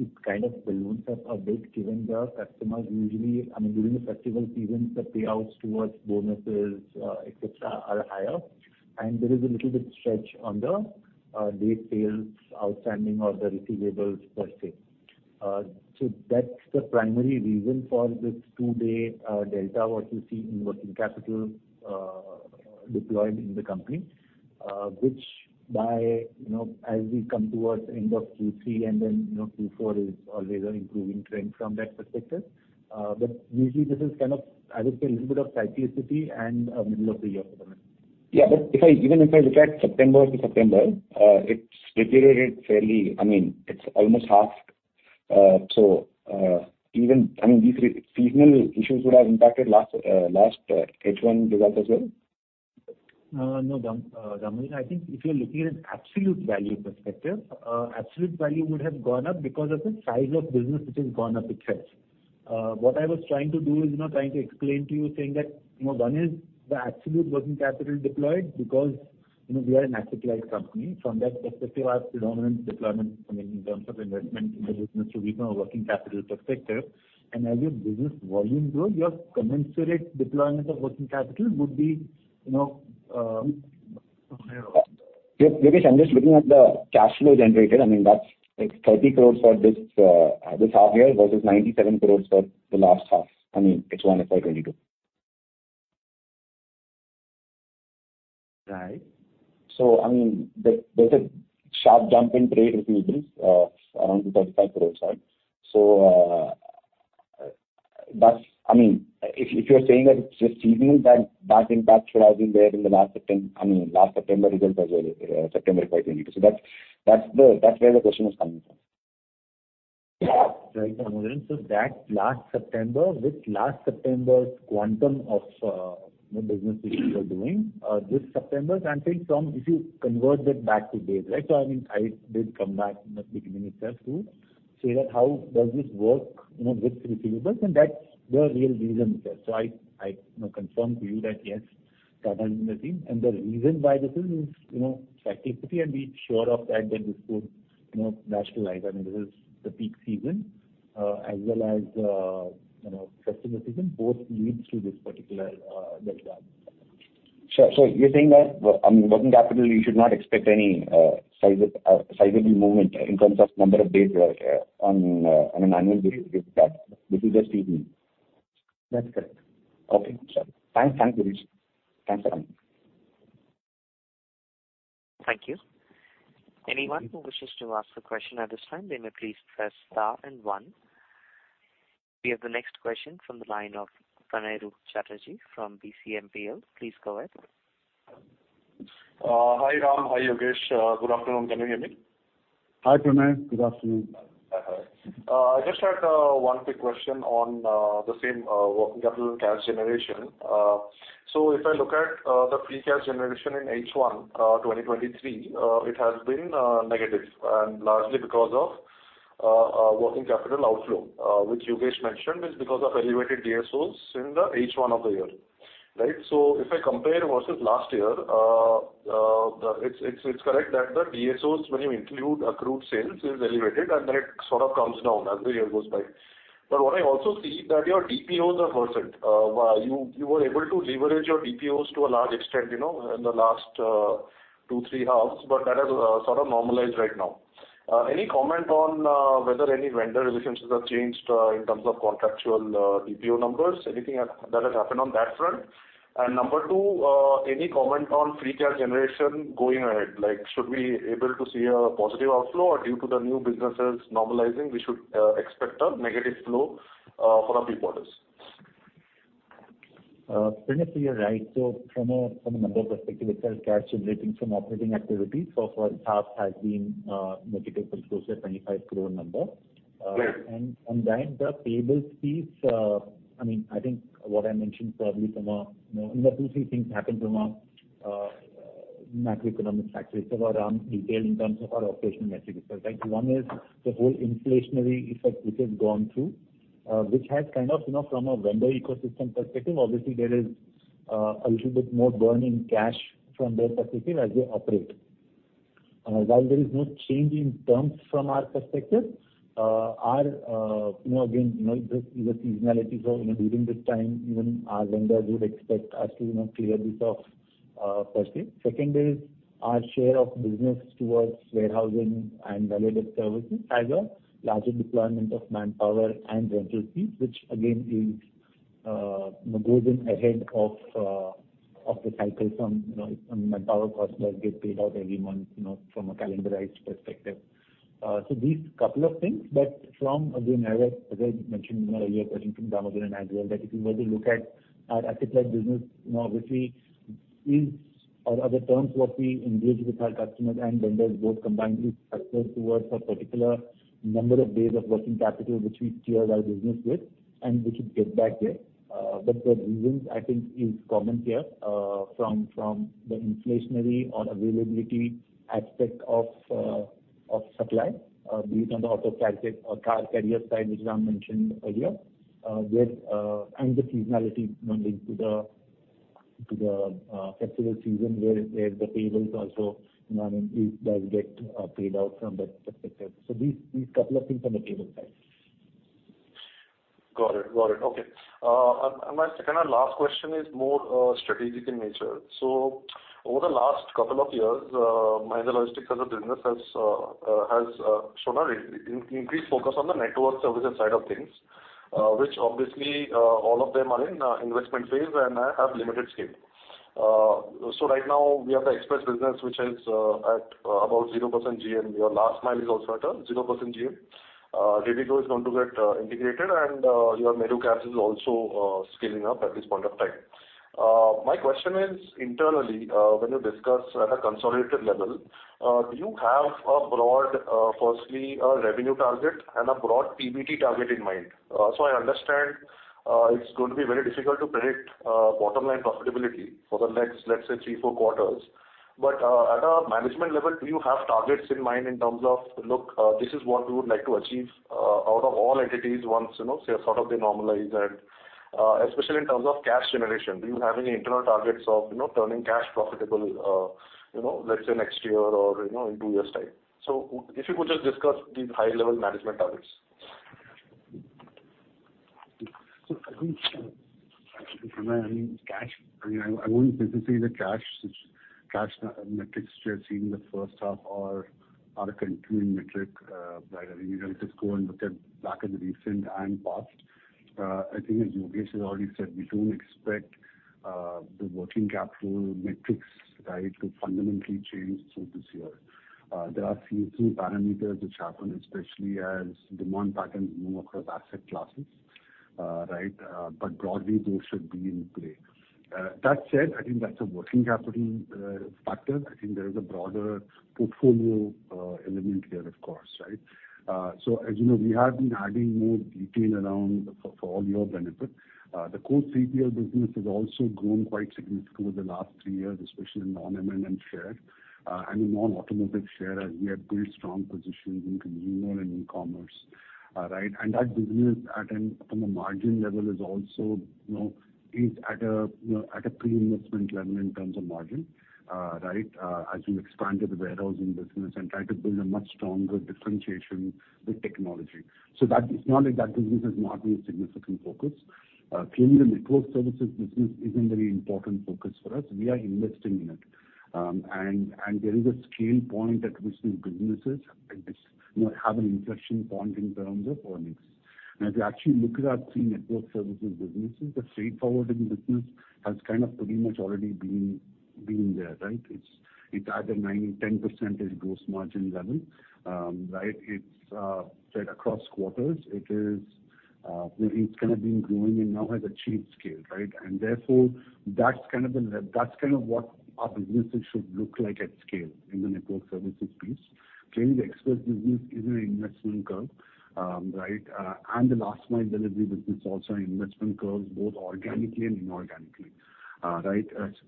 it kind of balloons up a bit given the customers usually, I mean, during the festival seasons, the payouts towards bonuses, et cetera, are higher. There is a little bit stretch on the days sales outstanding or the receivables per se. So that's the primary reason for this 2-day delta what you see in working capital deployed in the company, which by, you know, as we come towards end of Q3 and then, you know, Q4 is always an improving trend from that perspective. But usually this is kind of, I would say, a little bit of cyclicity and middle of the year phenomenon. Even if I look at September to September, it's deteriorated fairly. I mean, it's almost halved. Even these seasonal issues would have impacted last H1 results as well? No, Damodaran. I think if you're looking at an absolute value perspective, absolute value would have gone up because of the size of business which has gone up itself. What I was trying to do is, you know, trying to explain to you saying that, you know, one is the absolute working capital deployed because, you know, we are an asset-light company. From that perspective, our predominant deployment, I mean, in terms of investment in the business will be from a working capital perspective. As your business volume grows, your commensurate deployment of working capital would be, you know, higher. Yep. Yogesh, I'm just looking at the cash flow generated. I mean, that's like 30 crores for this half year versus 97 crores for the last half. I mean, H1 FY 2022. Right. I mean, there's a sharp jump in trade receivables around 35 crore rupees. That's I mean, if you're saying that it's just seasonal, that impact should have been there in the last September, I mean, last September results as well, September FY 2022. That's where the question was coming from. Right, Damodaran. That last September, with last September's quantum of, you know, business which we were doing, this September, I'm saying from if you convert that back to days, right? I mean, I did come back in the beginning itself to say that how does this work, you know, with receivables, and that's the real reason there. I you know, confirm to you that, yes, that has been the thing. The reason why this is you know, cyclicity, and be sure of that this would, you know, rationalize. I mean, this is the peak season, as well as, you know, festival season, both leads to this particular, delta. Sure. You're saying that, I mean, working capital you should not expect any sizable movement in terms of number of days or on an annual basis with that. This is just seasonal. That's correct. Okay. Sure. Thanks. Thanks, Yogesh. Thanks, Ram. Thank you. Anyone who wishes to ask a question at this time, they may please press star and one. We have the next question from the line of Pranjal Chatterjee from BCMPL. Please go ahead. Hi, Rampraveen. Hi, Yogesh. Good afternoon. Can you hear me? Hi, Pranay. Good afternoon. Hi. Hi. I just had one quick question on the same working capital cash generation. If I look at the free cash generation in H1 2023, it has been negative and largely because of working capital outflow, which Yogesh mentioned is because of elevated DSOs in the H1 of the year. Right? If I compare versus last year, it's correct that the DSOs when you include accrued sales is elevated, and then it sort of comes down as the year goes by. What I also see that your DPOs are forty. You were able to leverage your DPOs to a large extent, you know, in the last two, three halves, but that has sort of normalized right now. Any comment on whether any vendor efficiencies have changed in terms of contractual DPO numbers? Anything that has happened on that front? Number two, any comment on free cash generation going ahead? Like should we able to see a positive outflow, or due to the new businesses normalizing we should expect a negative flow for a few quarters? Pranay, you're right. From a number perspective itself, cash generating from operating activities so far it has been negative for close to 25 crores. Right. On that, the payables piece, I mean, I think what I mentioned probably from a, you know, two, three things happened from a macroeconomic factor itself around Diwali in terms of our operational metric itself, right? One is the whole inflationary effect which has gone through, which has kind of, you know, from a vendor ecosystem perspective, obviously there is a little bit more cash burn from their perspective as they operate. While there is no change in terms from our perspective, our, you know, again, you know, the seasonality. You know, during this time, even our vendors would expect us to, you know, clear this off, firstly. Second is our share of business towards warehousing and value-added services has a larger deployment of manpower and rental fees, which again is, you know, goes in ahead of the cycle from, you know, from manpower cost that get paid out every month, you know, from a calendarized perspective. These couple of things, but from again, as I mentioned in your question from Damodaran and as well, that if you were to look at our asset-light business, you know, which we is or are the terms what we engage with our customers and vendors both combined is structured towards a particular number of days of working capital which we steer our business with, and we should get back there. The reasons I think is common here, from the inflationary or availability aspect of supply, be it on the auto sector or car carrier side, which Ram mentioned earlier with the seasonality, you know, into the festival season where the payables also, you know, does get paid out from that perspective. These couple of things on the table side. Got it. Okay. My second and last question is more strategic in nature. Over the last couple of years, Mahindra Logistics as a business has shown an increased focus on the network services side of things, which obviously all of them are in investment phase and have limited scale. Right now we have the express business which is at about 0% GM. Your last mile is also at a 0% GM. JJC is going to get integrated, and your Meru Cabs is also scaling up at this point of time. My question is internally, when you discuss at a consolidated level, do you have a broad firstly a revenue target and a broad PBT target in mind? I understand, it's going to be very difficult to predict, bottom line profitability for the next, let's say, three, four quarters. At a management level, do you have targets in mind in terms of, look, this is what we would like to achieve, out of all entities once, you know, they sort of normalize? Especially in terms of cash generation, do you have any internal targets of, you know, turning cash profitable, you know, let's say next year or, you know, in two years' time? If you could just discuss these high-level management targets. I think, I mean, I wouldn't necessarily say the cash metrics we have seen in the first half are a continuing metric. You know, just go and look back in the recent past. I think as Yogesh has already said, we don't expect the working capital metrics, right, to fundamentally change through this year. There are a few parameters which happen, especially as demand patterns move across asset classes, right? Broadly, those should be in play. That said, I think that's a working capital factor. I think there is a broader portfolio element here of course, right? As you know, we have been adding more detail around for all your benefit. The core 3PL business has also grown quite significantly over the last three years, especially in non-M&M share, I mean, non-automotive share, as we have built strong positions in consumer and e-commerce, right? That business, from a margin level, is also, you know, at a pre-investment level in terms of margin, right? Clearly, the network services business is a very important focus for us. We are investing in it. There is a scale point at which these businesses, you know, have an inflection point in terms of earnings. If you actually look at our three network services businesses, the freight forwarding business has kind of pretty much already been there. It's at a 9%-10% gross margin level. It's steady across quarters, it is kind of been growing and now has achieved scale. That's kind of what our businesses should look like at scale in the network services piece. Clearly, the express business is an investment curve. The last mile delivery business also investment curves, both organically and inorganically.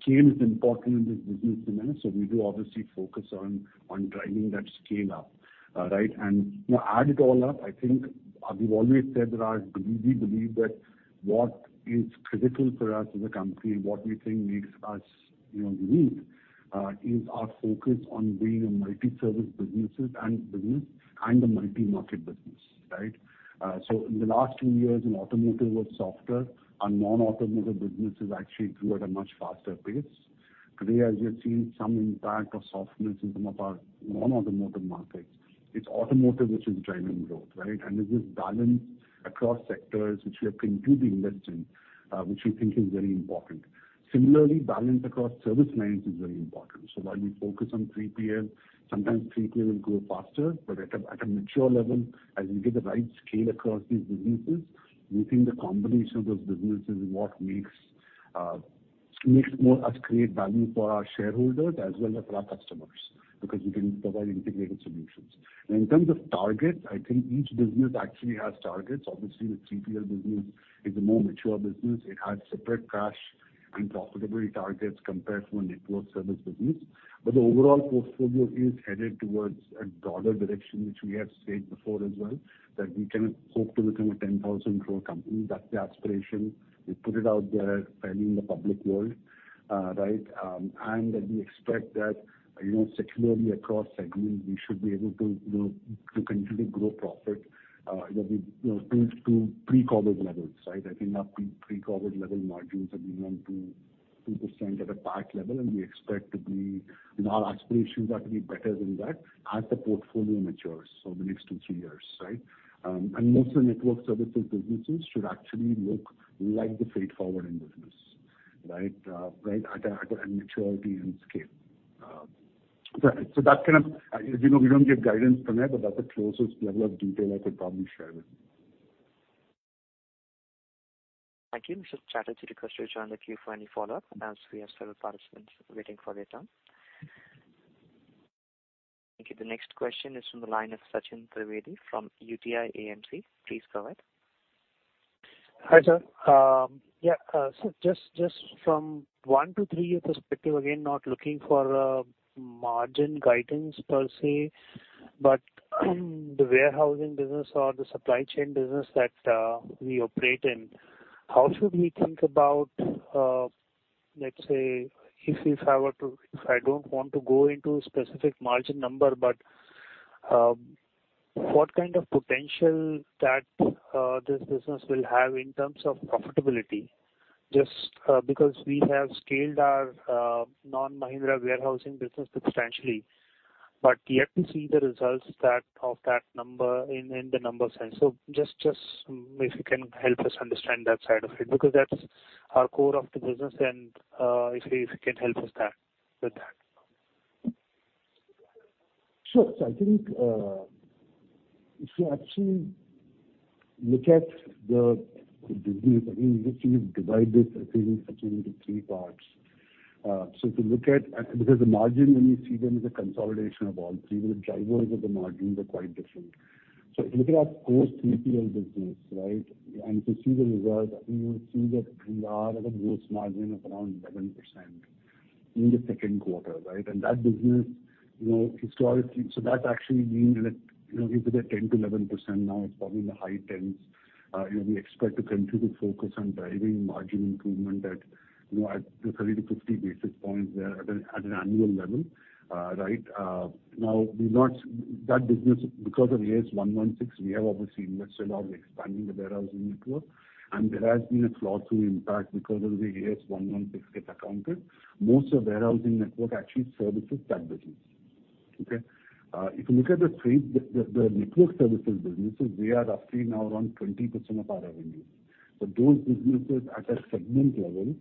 Scale is important in this business, Manish, so we do obviously focus on driving that scale up. You know, add it all up, I think we've always said that we believe that what is critical for us as a company, what we think makes us, you know, unique, is our focus on being a multi-service business and a multi-market business, right? In the last 2 years, when automotive was softer, our non-automotive businesses actually grew at a much faster pace. Today, as you have seen some impact or softness in some of our non-automotive markets, it's automotive which is driving growth, right? It is balanced across sectors which we have continued to invest in, which we think is very important. Similarly, balance across service lines is very important. While we focus on 3PL, sometimes 3PL will grow faster. At a mature level, as you get the right scale across these businesses, we think the combination of those businesses is what makes us create more value for our shareholders as well as for our customers, because we can provide integrated solutions. Now in terms of targets, I think each business actually has targets. Obviously, the 3PL business is a more mature business. It has separate cash and profitability targets compared to a network service business. The overall portfolio is headed towards a broader direction, which we have said before as well, that we can hope to become an 10,000 crore company. That's the aspiration. We put it out there fairly in the public world, right? We expect that, you know, secularly across segments, we should be able to, you know, to continue to grow profit, you know, to pre-COVID levels, right? I think our pre-COVID level margins have been around 2% at a PAT level, and we expect to be, and our aspirations are to be better than that as the portfolio matures over the next two-three years, right? Most of the network services businesses should actually look like the freight forwarding business, right? Right at a maturity and scale. You know, we don't give guidance, Manish, but that's the closest level of detail I could probably share with you. Thank you. Mr. Chatterjee, request you to join the queue for any follow-up as we have several participants waiting for their turn. Thank you. The next question is from the line of Sachin Trivedi from UTI AMC. Please go ahead. Hi, sir. Yeah, just from 1-3-year perspective, again, not looking for a margin guidance per se, but the warehousing business or the supply chain business that we operate in, how should we think about, let's say if I don't want to go into specific margin number, but. What kind of potential that this business will have in terms of profitability? Just because we have scaled our non-M&M warehousing business substantially, but yet to see the results of that in the numbers. Just if you can help us understand that side of it, because that's our core of the business and if you can help us with that. Sure. I think, if you actually look at the business, I mean, we actually divide this, I think, into three parts. Because the margin when you see them is a consolidation of all three. The drivers of the margin are quite different. If you look at our core 3PL business, right, and to see the results, I think you will see that we are at a gross margin of around 11% in the second quarter, right? That business, you know, that actually means that, you know, if it was at 10%-11%, now it's probably in the high tens. You know, we expect to continue to focus on driving margin improvement at, you know, at the 30-50 basis points there at an annual level, right? Now we're not... That business, because of Ind AS 116, we have obviously invested a lot in expanding the warehousing network. There has been a flow-through impact because of the Ind AS 116 get accounted. Most of warehousing network actually services that business. Okay? If you look at the trade, the network services businesses, they are roughly now around 20% of our revenue. Those businesses at a segment level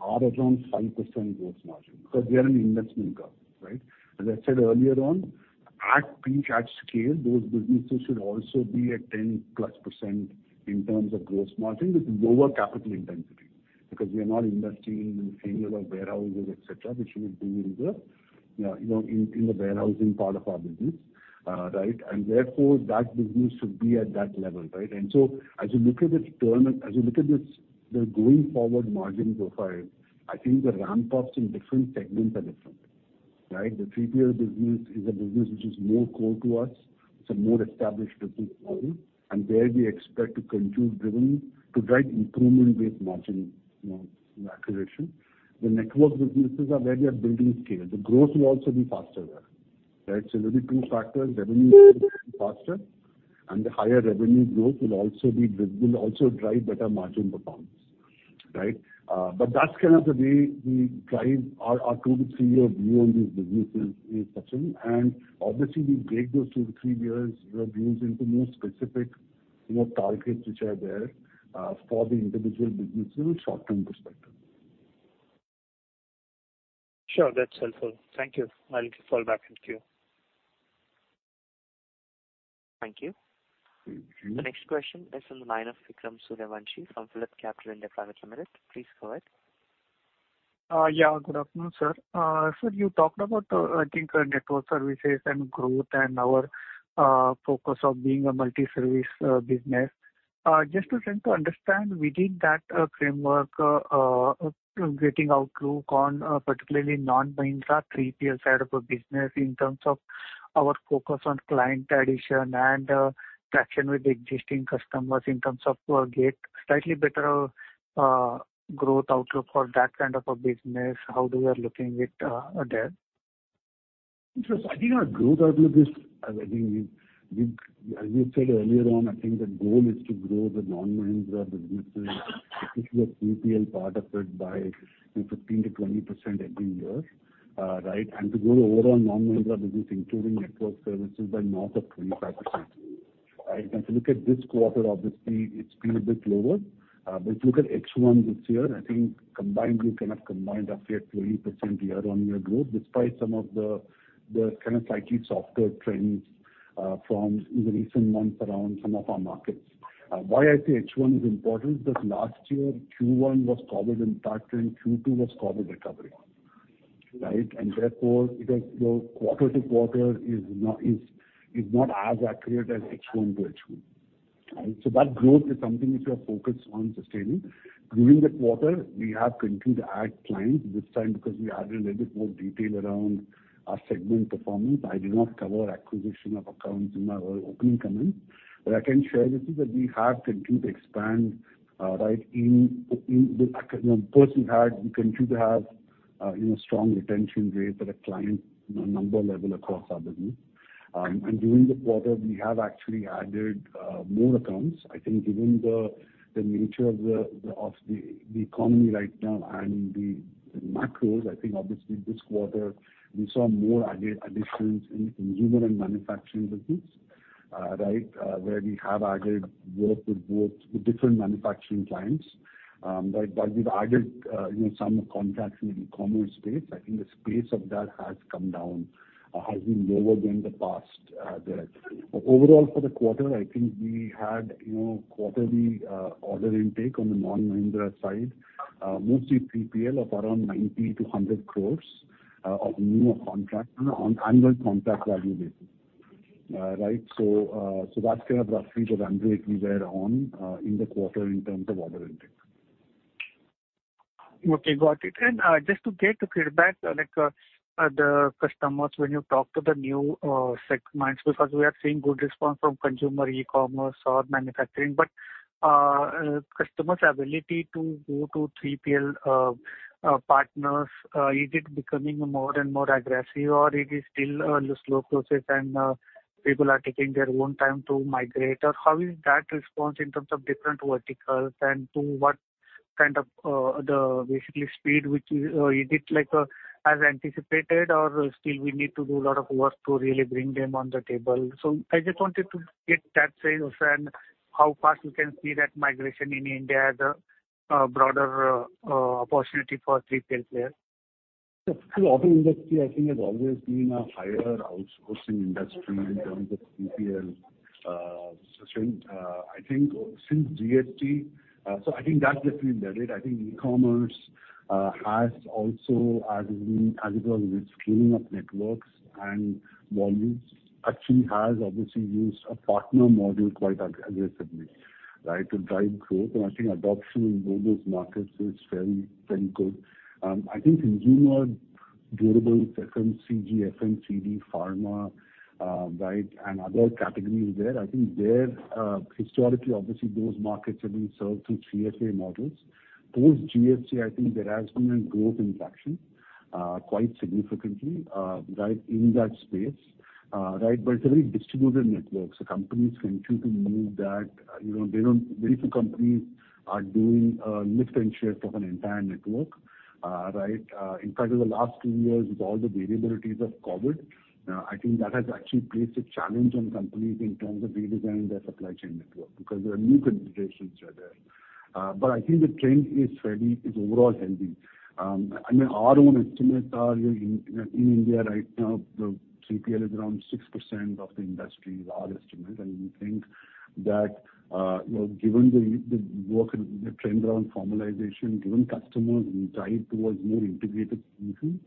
are around 5% gross margin because they are an investment curve, right? As I said earlier on, at peak, at scale, those businesses should also be at 10%+ in terms of gross margin with lower capital intensity, because we are not investing in the same level warehouses, etc., which we would do in the, you know, in the warehousing part of our business, right? Therefore, that business should be at that level, right? As you look at this, the going forward margin profile, I think the ramp ups in different segments are different, right? The 3PL business is a business which is more core to us. It's a more established business model, and there we expect to continue to drive improvement-based margin, you know, accretion. The network businesses are where we are building scale. The growth will also be faster there, right? There'll be two factors, revenue faster, and the higher revenue growth will also drive better margin performance, right? But that's kind of the way we drive our 2-3-year view on these businesses in such an Obviously, we break those two- to three-year views into more specific, you know, targets which are there for the individual businesses' short-term perspective. Sure. That's helpful. Thank you. I'll fall back into queue. Thank you. Thank you. The next question is from the line of Vikram Suryavanshi from PhillipCapital India Private Limited. Please go ahead. Yeah, good afternoon, sir. Sir, you talked about, I think, network services and growth and our focus of being a multi-service business. Just to try and to understand within that framework, getting outlook on particularly non-M&M 3PL side of a business in terms of our focus on client addition and traction with existing customers in terms of get slightly better growth outlook for that kind of a business. How do we are looking at there? Interesting. I think our growth outlook is. I think we as we said earlier on, I think the goal is to grow the non-Mahindra businesses, especially the 3PL part of it, by, you know, 15%-20% every year. To grow the overall non-Mahindra business, including network services by north of 25%. If you look at this quarter, obviously it's been a bit lower. But if you look at H1 this year, I think combined up to a 20% year-on-year growth, despite some of the slightly softer trends from the recent months around some of our markets. Why I say H1 is important because last year Q1 was COVID impacted and Q2 was COVID recovery. Therefore it has you know, quarter to quarter is not as accurate as H1 to H2. Right? That growth is something which we are focused on sustaining. During the quarter, we have continued to add clients. This time, because we added a little bit more detail around our segment performance, I did not cover acquisition of accounts in my opening comments. I can share with you that we have continued to expand. Of course, we continue to have you know, strong retention rates at a client you know, number level across our business. During the quarter, we have actually added more accounts. I think given the nature of the economy right now and the macros, I think obviously this quarter we saw more additions in consumer and manufacturing business, right, where we have added work with both the different manufacturing clients. But we've added, you know, some contracts in the commerce space. I think the space of that has come down, has been lower than the past, there. Overall, for the quarter, I think we had, you know, quarterly order intake on the non-Mahindra side, mostly 3PL of around 90 crore-100 crore of new contracts on annual contract value basis. Right. That's kind of roughly the runway we were on in the quarter in terms of order intake. Okay, got it. Just to get the feedback, like, the customers when you talk to the new segments, because we are seeing good response from consumer e-commerce or manufacturing. Customer's ability to go to 3PL partners, is it becoming more and more aggressive or it is still a slow process and people are taking their own time to migrate? How is that response in terms of different verticals and to what kind of the basically speed which is it like as anticipated or still we need to do a lot of work to really bring them on the table? I just wanted to get that sense and how fast we can see that migration in India, the broader opportunity for 3PL players. The auto industry I think has always been a higher outsourcing industry in terms of 3PL strength. I think since GST so I think that definitely led it. I think e-commerce has also as it was with scaling up networks and volumes actually has obviously used a partner model quite aggressively right to drive growth. I think adoption in both those markets is very very good. I think consumer durables FMCG FMCD pharma right and other categories there I think historically obviously those markets have been served through C&FA models. Post GST I think there has been a growth in traction quite significantly right in that space. Right. It's a very distributed network so companies continue to move that. You know, very few companies are doing a lift and shift of an entire network, right. In fact, in the last 2 years with all the variabilities of COVID, I think that has actually placed a challenge on companies in terms of redesigning their supply chain network because there are new considerations there. But I think the trend is overall healthy. I mean, our own estimates are, you know, in India right now the 3PL is around 6% of the industry, our estimate. We think that, you know, given the work and the trend around formalization, given customers' desire towards more integrated solutions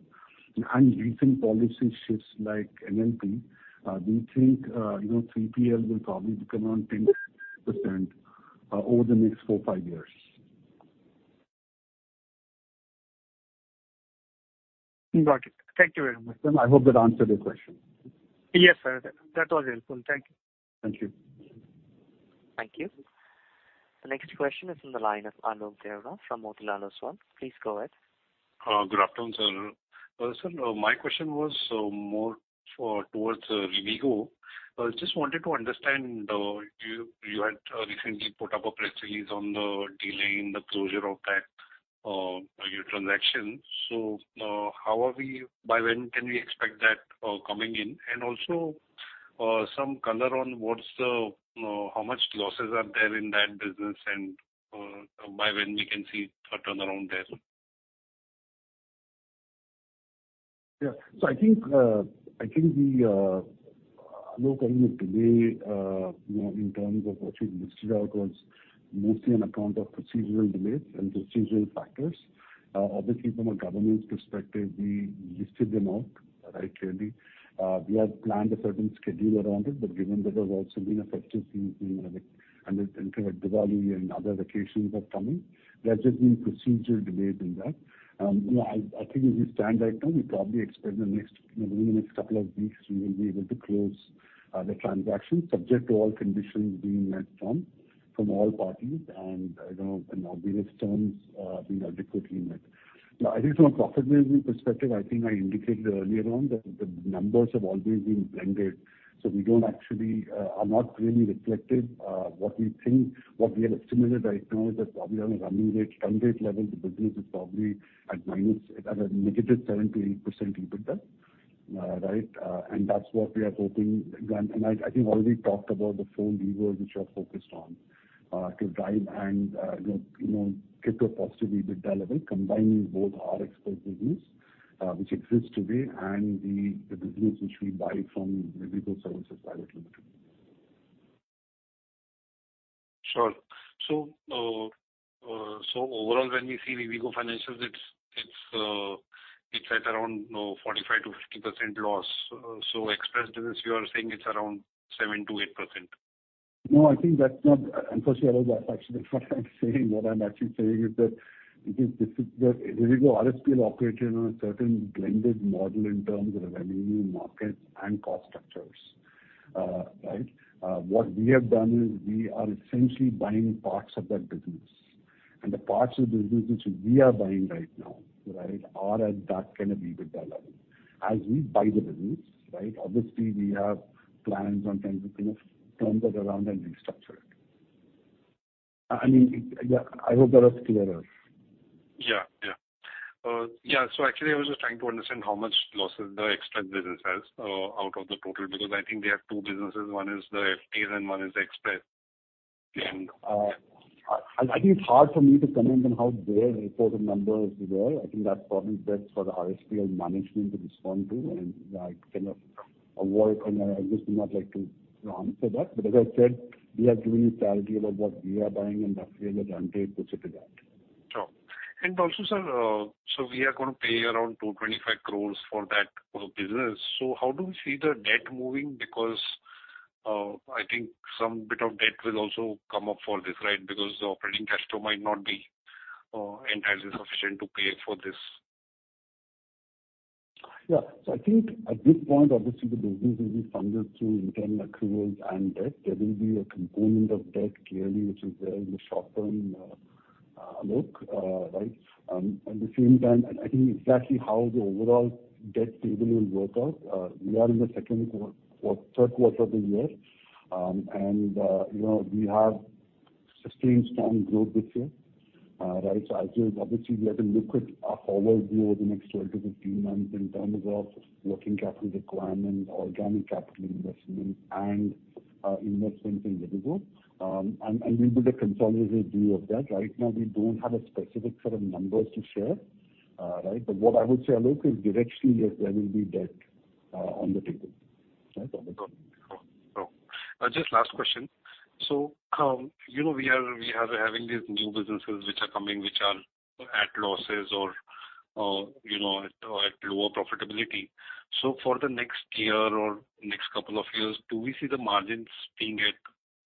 and recent policy shifts like NLP, we think, you know, 3PL will probably become around 10%, over the next 4-5 years. Got it. Thank you very much. I hope that answered your question. Yes, sir. That was helpful. Thank you. Thank you. Thank you. The next question is from the line of Alok Deora from Motilal Oswal. Please go ahead. Good afternoon, sir. Sir, my question was more towards Rivigo. Just wanted to understand, you had recently put up a press release on the delay in the closure of that, your transaction. By when can we expect that coming in? Also, some color on what's the how much losses are there in that business and by when we can see a turnaround there? Yeah. I think, look, I mean, the delay, you know, in terms of what we listed out was mostly on account of procedural delays and procedural factors. Obviously from a governance perspective, we listed them out, right, clearly. We have planned a certain schedule around it, but given there has also been a festive season and in terms of Diwali and other vacations are coming, there's just been procedural delays in that. You know, I think as we stand right now, we probably expect in the next, you know, within the next couple of weeks we will be able to close the transaction subject to all conditions being met from all parties and obvious terms being adequately met. Now, I think from a profitability perspective, I think I indicated earlier on that the numbers have always been blended, so we don't actually are not really reflective what we think. What we have estimated right now is that probably on a run rate level the business is probably at a negative 7%-8% EBITDA, right? And that's what we are hoping. I think I already talked about the four levers which we are focused on to drive and you know get to a positive EBITDA level combining both our Express business which exists today and the business which we buy from Rivigo Services Private Limited. Sure. Overall when we see Rivigo financials, it's at around, you know, 45%-50% loss. Express business you are saying it's around 7%-8%. No, I think that's not. I'm not sure that's actually what I'm saying. What I'm actually saying is that because this is the Rivigo Services Pvt. Ltd. operated on a certain blended model in terms of the revenue markets and cost structures. Right? What we have done is we are essentially buying parts of that business. The parts of the business which we are buying right now, right, are at that kind of EBITDA level. As we buy the business, right, obviously we have plans on trying to kind of turn that around and restructure it. I mean, yeah, I hope that was clearer. Actually, I was just trying to understand how much losses the Express business has out of the total, because I think they have two businesses. One is the FT and one is Express. I think it's hard for me to comment on how their reported numbers were. I think that's probably best for the Rivigo management to respond to. I kind of avoid and I just would not like to, you know, answer that. As I said, we are giving you clarity about what we are buying and that's really the mandate associated with that. Sure. Sir, we are gonna pay around 225 crore for that business. How do we see the debt moving? Because I think some bit of debt will also come up for this, right? Because the operating cash flow might not be entirely sufficient to pay for this. Yeah. I think at this point, obviously, the business will be funded through internal accruals and debt. There will be a component of debt clearly, which is there in the short-term, Alok, right? At the same time, I think exactly how the overall debt table will work out, we are in the second or third quarter of the year. And, you know, we have sustained strong growth this year, right? I think obviously we have to look at a forward view over the next 12-15 months in terms of working capital requirements, organic capital investment, and investments in Rivigo. And we'll do the consolidated view of that. Right now, we don't have a specific set of numbers to share, right? What I would say, Alok, is directly that there will be debt on the table. Right, Alok? Cool. Just last question. You know, we are having these new businesses which are coming, which are at losses or you know, at lower profitability. For the next year or next couple of years, do we see the margins staying at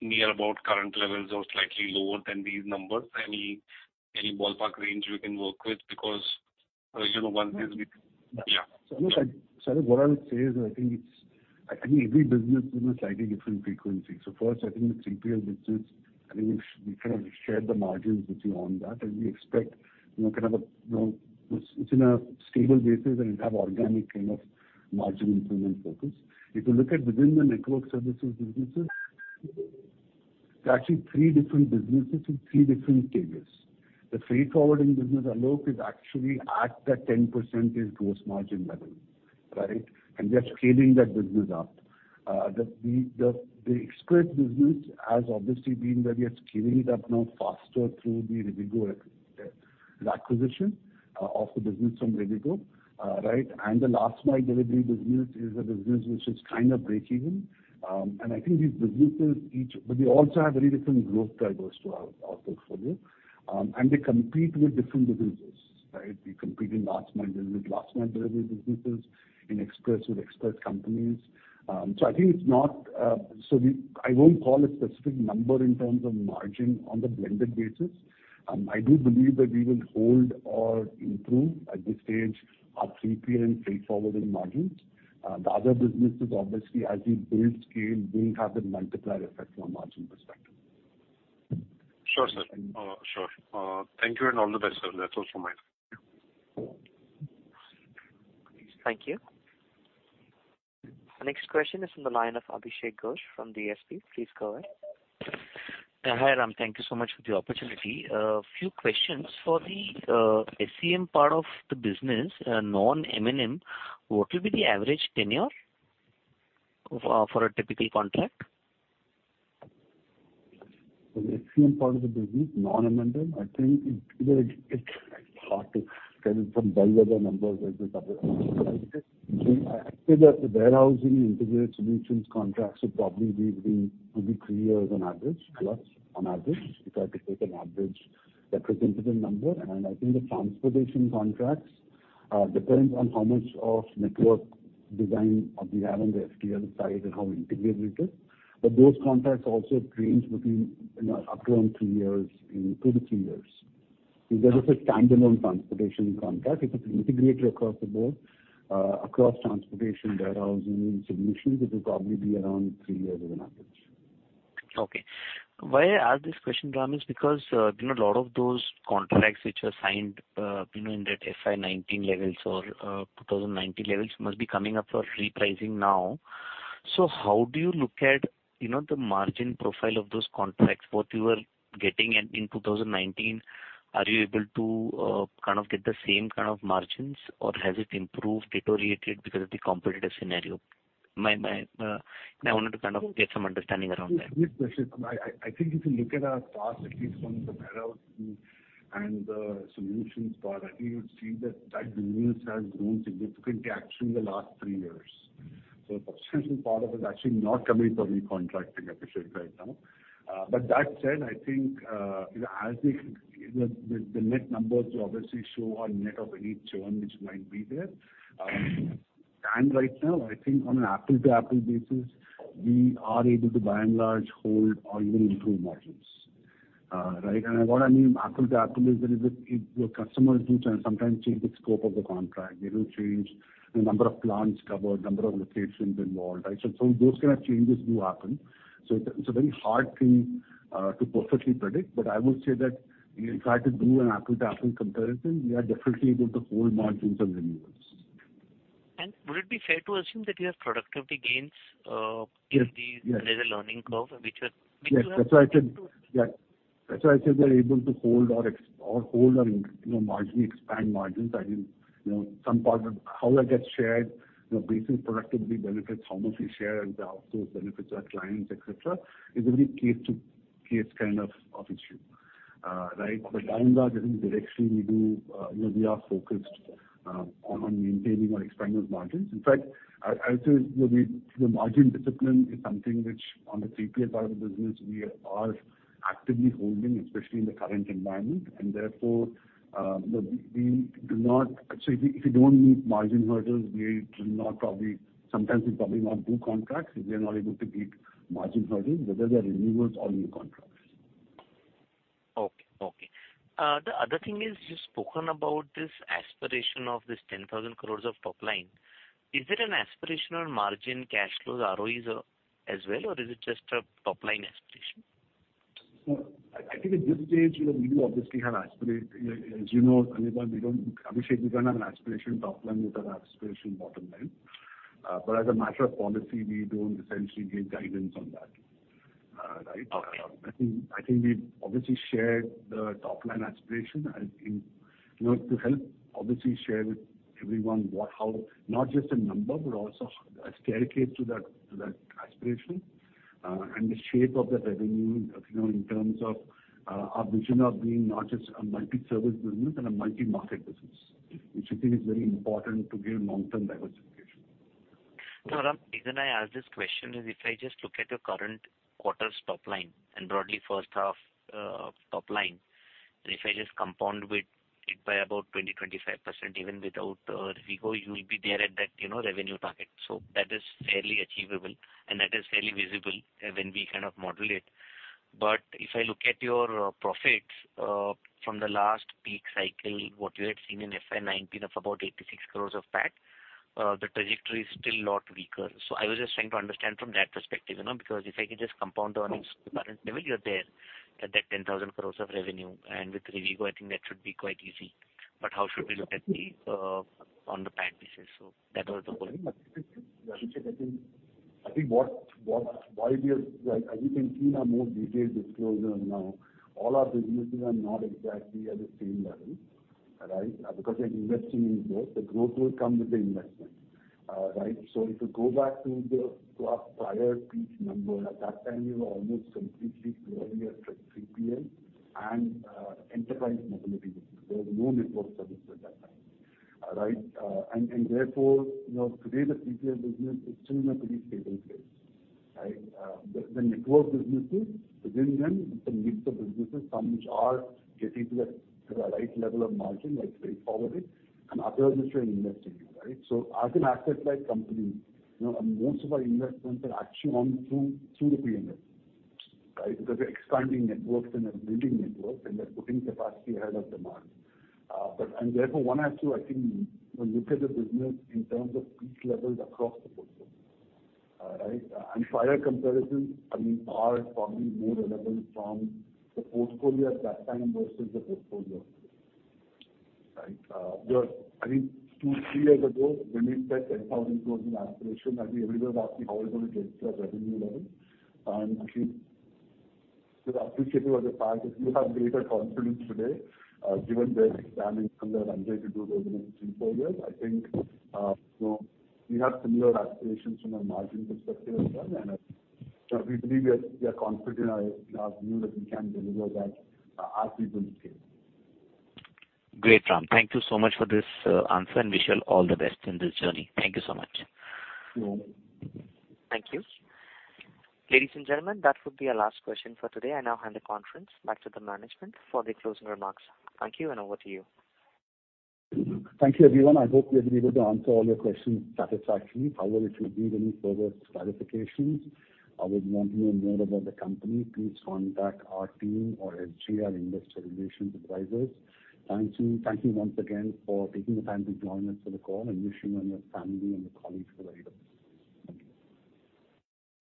near about current levels or slightly lower than these numbers? Any ballpark range we can work with? Because you know, one is Yeah. I think what I would say is that I think every business is in a slightly different frequency. First, I think the 3PL business, I think we kind of shared the margins with you on that. We expect, you know, it's in a stable basis, and it will have organic kind of margin improvement focus. If you look within the network services businesses, there are actually three different businesses with three different stages. The freight forwarding business, Alok, is actually at that 10% in gross margin level, right? We are scaling that business up. The express business has obviously been where we are scaling it up now faster through the Rivigo acquisition of the business from Rivigo, right? The last mile delivery business is a business which is kind of breakeven. I think these businesses. They also have very different growth drivers to our portfolio. They compete with different businesses, right? We compete in last mile delivery businesses, in express with express companies. I won't call a specific number in terms of margin on the blended basis. I do believe that we will hold or improve at this stage our 3PL and freight forwarding margins. The other businesses obviously as we build scale, will have that multiplier effect from a margin perspective. Sure, sir. Thank you and all the best, sir. That's all from my end. Thank you. Thank you. The next question is from the line of Abhishek Ghosh from DSP. Please go ahead. Hi, Rampraveen. Thank you so much for the opportunity. A few questions for the SCM part of the business, non-M&M. What will be the average tenure for a typical contract? For the SCM part of the business, non-M&M, I think it's hard to tell you some bellwether numbers. I think that the warehousing integrated solutions contracts would probably be three years on average, plus on average, if I had to take an average representative number. I think the transportation contracts depends on how much network design we have on the FTL side and how integrated it is. Those contracts also range between, you know, up to around three years, in two to three years. If that is a standalone transportation contract. If it's integrated across the board, across transportation, warehousing, solutions, it will probably be around three years as an average. Okay. Why I ask this question, Ram, is because, you know, a lot of those contracts which were signed, you know, in that FY 19 levels or 2019 levels must be coming up for repricing now. How do you look at, you know, the margin profile of those contracts, what you were getting in 2019? Are you able to kind of get the same kind of margins, or has it improved, deteriorated because of the competitive scenario? My, you know, I wanted to kind of get some understanding around that. Good question. I think if you look at our past, at least from the warehousing and the solutions part, I think you'll see that business has grown significantly actually in the last three years. A substantial part of it is actually not coming from recontracting, Abhishek, right now. That said, I think, you know, the net numbers obviously show a net of any churn which might be there. Right now, I think on an apples to apples basis, we are able to by and large hold or even improve margins. Right. What I mean apples to apples is that if the customers do try and sometimes change the scope of the contract, they will change the number of plants covered, number of locations involved, right? Those kind of changes do happen. It's a very hard thing to perfectly predict. I would say that if I had to do an apple to apple comparison, we are definitely able to hold margins on renewals. Would it be fair to assume that you have productivity gains? Yes. -in these- Yes. There's a learning curve which are. Yes, that's why I said. Which you have been able to- Yeah. That's why I said we are able to hold and, you know, marginally expand margins. I mean, you know, some part of how that gets shared, you know, basis productivity benefits, how much we share and the outsource benefits to our clients, et cetera, is a very case to case kind of issue. Right? But by and large, I think directly we do, you know, we are focused on maintaining or expanding those margins. In fact, I would say the margin discipline is something which on the 3PL side of the business we are actively holding, especially in the current environment. Therefore, you know, we do not. If we don't meet margin hurdles, sometimes we probably not do contracts if we are not able to meet margin hurdles, whether they're renewals or new contracts. Okay. The other thing is you've spoken about this aspiration of this 10,000 crore of top line. Is it an aspirational margin cash flows ROEs as well, or is it just a top-line aspiration? No, I think at this stage, you know, we do obviously have aspirations. As you know, Abhishek, we don't have an aspiration top line without aspiration bottom line. But as a matter of policy, we don't essentially give guidance on that. Right? Okay. I think we've obviously shared the top-line aspiration. I think, you know, to help obviously share with everyone what, how, not just a number, but also a staircase to that aspiration, and the shape of the revenue, you know, in terms of, our vision of being not just a multi-service business and a multi-market business, which I think is very important to give long-term diversification. No, Ram. The reason I ask this question is if I just look at your current quarter's top line and broadly first half top line, and if I just compound with it by about 20%-25%, even without Rivigo, you'll be there at that, you know, revenue target. That is fairly achievable, and that is fairly visible when we kind of model it. If I look at your profits from the last peak cycle, what you had seen in FY 2019 of about 86 crores of PAT, the trajectory is still lot weaker. I was just trying to understand from that perspective, you know, because if I can just compound on its current level, you're there at that 10,000 crores of revenue. With Rivigo, I think that should be quite easy. How should we look at the on the PAT pieces? That was the whole. I think what we are, as you can see in our more detailed disclosure now, all our businesses are not exactly at the same level, right? Because we're investing in both. The growth will come with the investment. Right? If you go back to our prior peak number, at that time, we were almost completely growing at CPL and enterprise mobility business. There was no network service at that time. Right? And therefore, you know, today the CPL business is still in a pretty stable place, right? The network businesses, within them is a mix of businesses, some which are getting to the right level of margin, like freight forwarding is, and other businesses we're investing in, right? As an asset-light company, you know, most of our investments are actually on through the P&L, right? Because we're expanding networks and we're building networks, and we're putting capacity ahead of demand. Therefore, one has to, I think, you know, look at the business in terms of peak levels across the portfolio, right? Prior comparisons, I mean, are probably more relevant from the portfolio at that time versus the portfolio, right? I think two, three years ago, when we set INR 10,000 crores in aspiration, I think everybody was asking how we're gonna get to that revenue level. I think the appreciation was a part, is we have greater confidence today, given the expansion from the run rate we do over the next three, four years. I think, you know, we have similar aspirations from a margin perspective as well. We believe we are confident in our view that we can deliver that, as we build scale. Great, Ram. Thank you so much for this answer, and wish you all the best in this journey. Thank you so much. Sure. Thank you. Ladies and gentlemen, that would be our last question for today. I now hand the conference back to the management for the closing remarks. Thank you, and over to you. Thank you, everyone. I hope we have been able to answer all your questions satisfactorily. However, if you need any further clarifications or would want to know more about the company, please contact our team or SGA Investor Relations advisors. Thank you. Thank you once again for taking the time to join us for the call, and wish you and your family and your colleagues the very best. Thank you.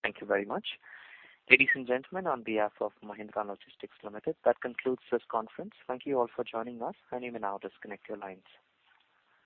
Thank you very much. Ladies and gentlemen, on behalf of Mahindra Logistics Limited, that concludes this conference. Thank you all for joining us. You may now disconnect your lines.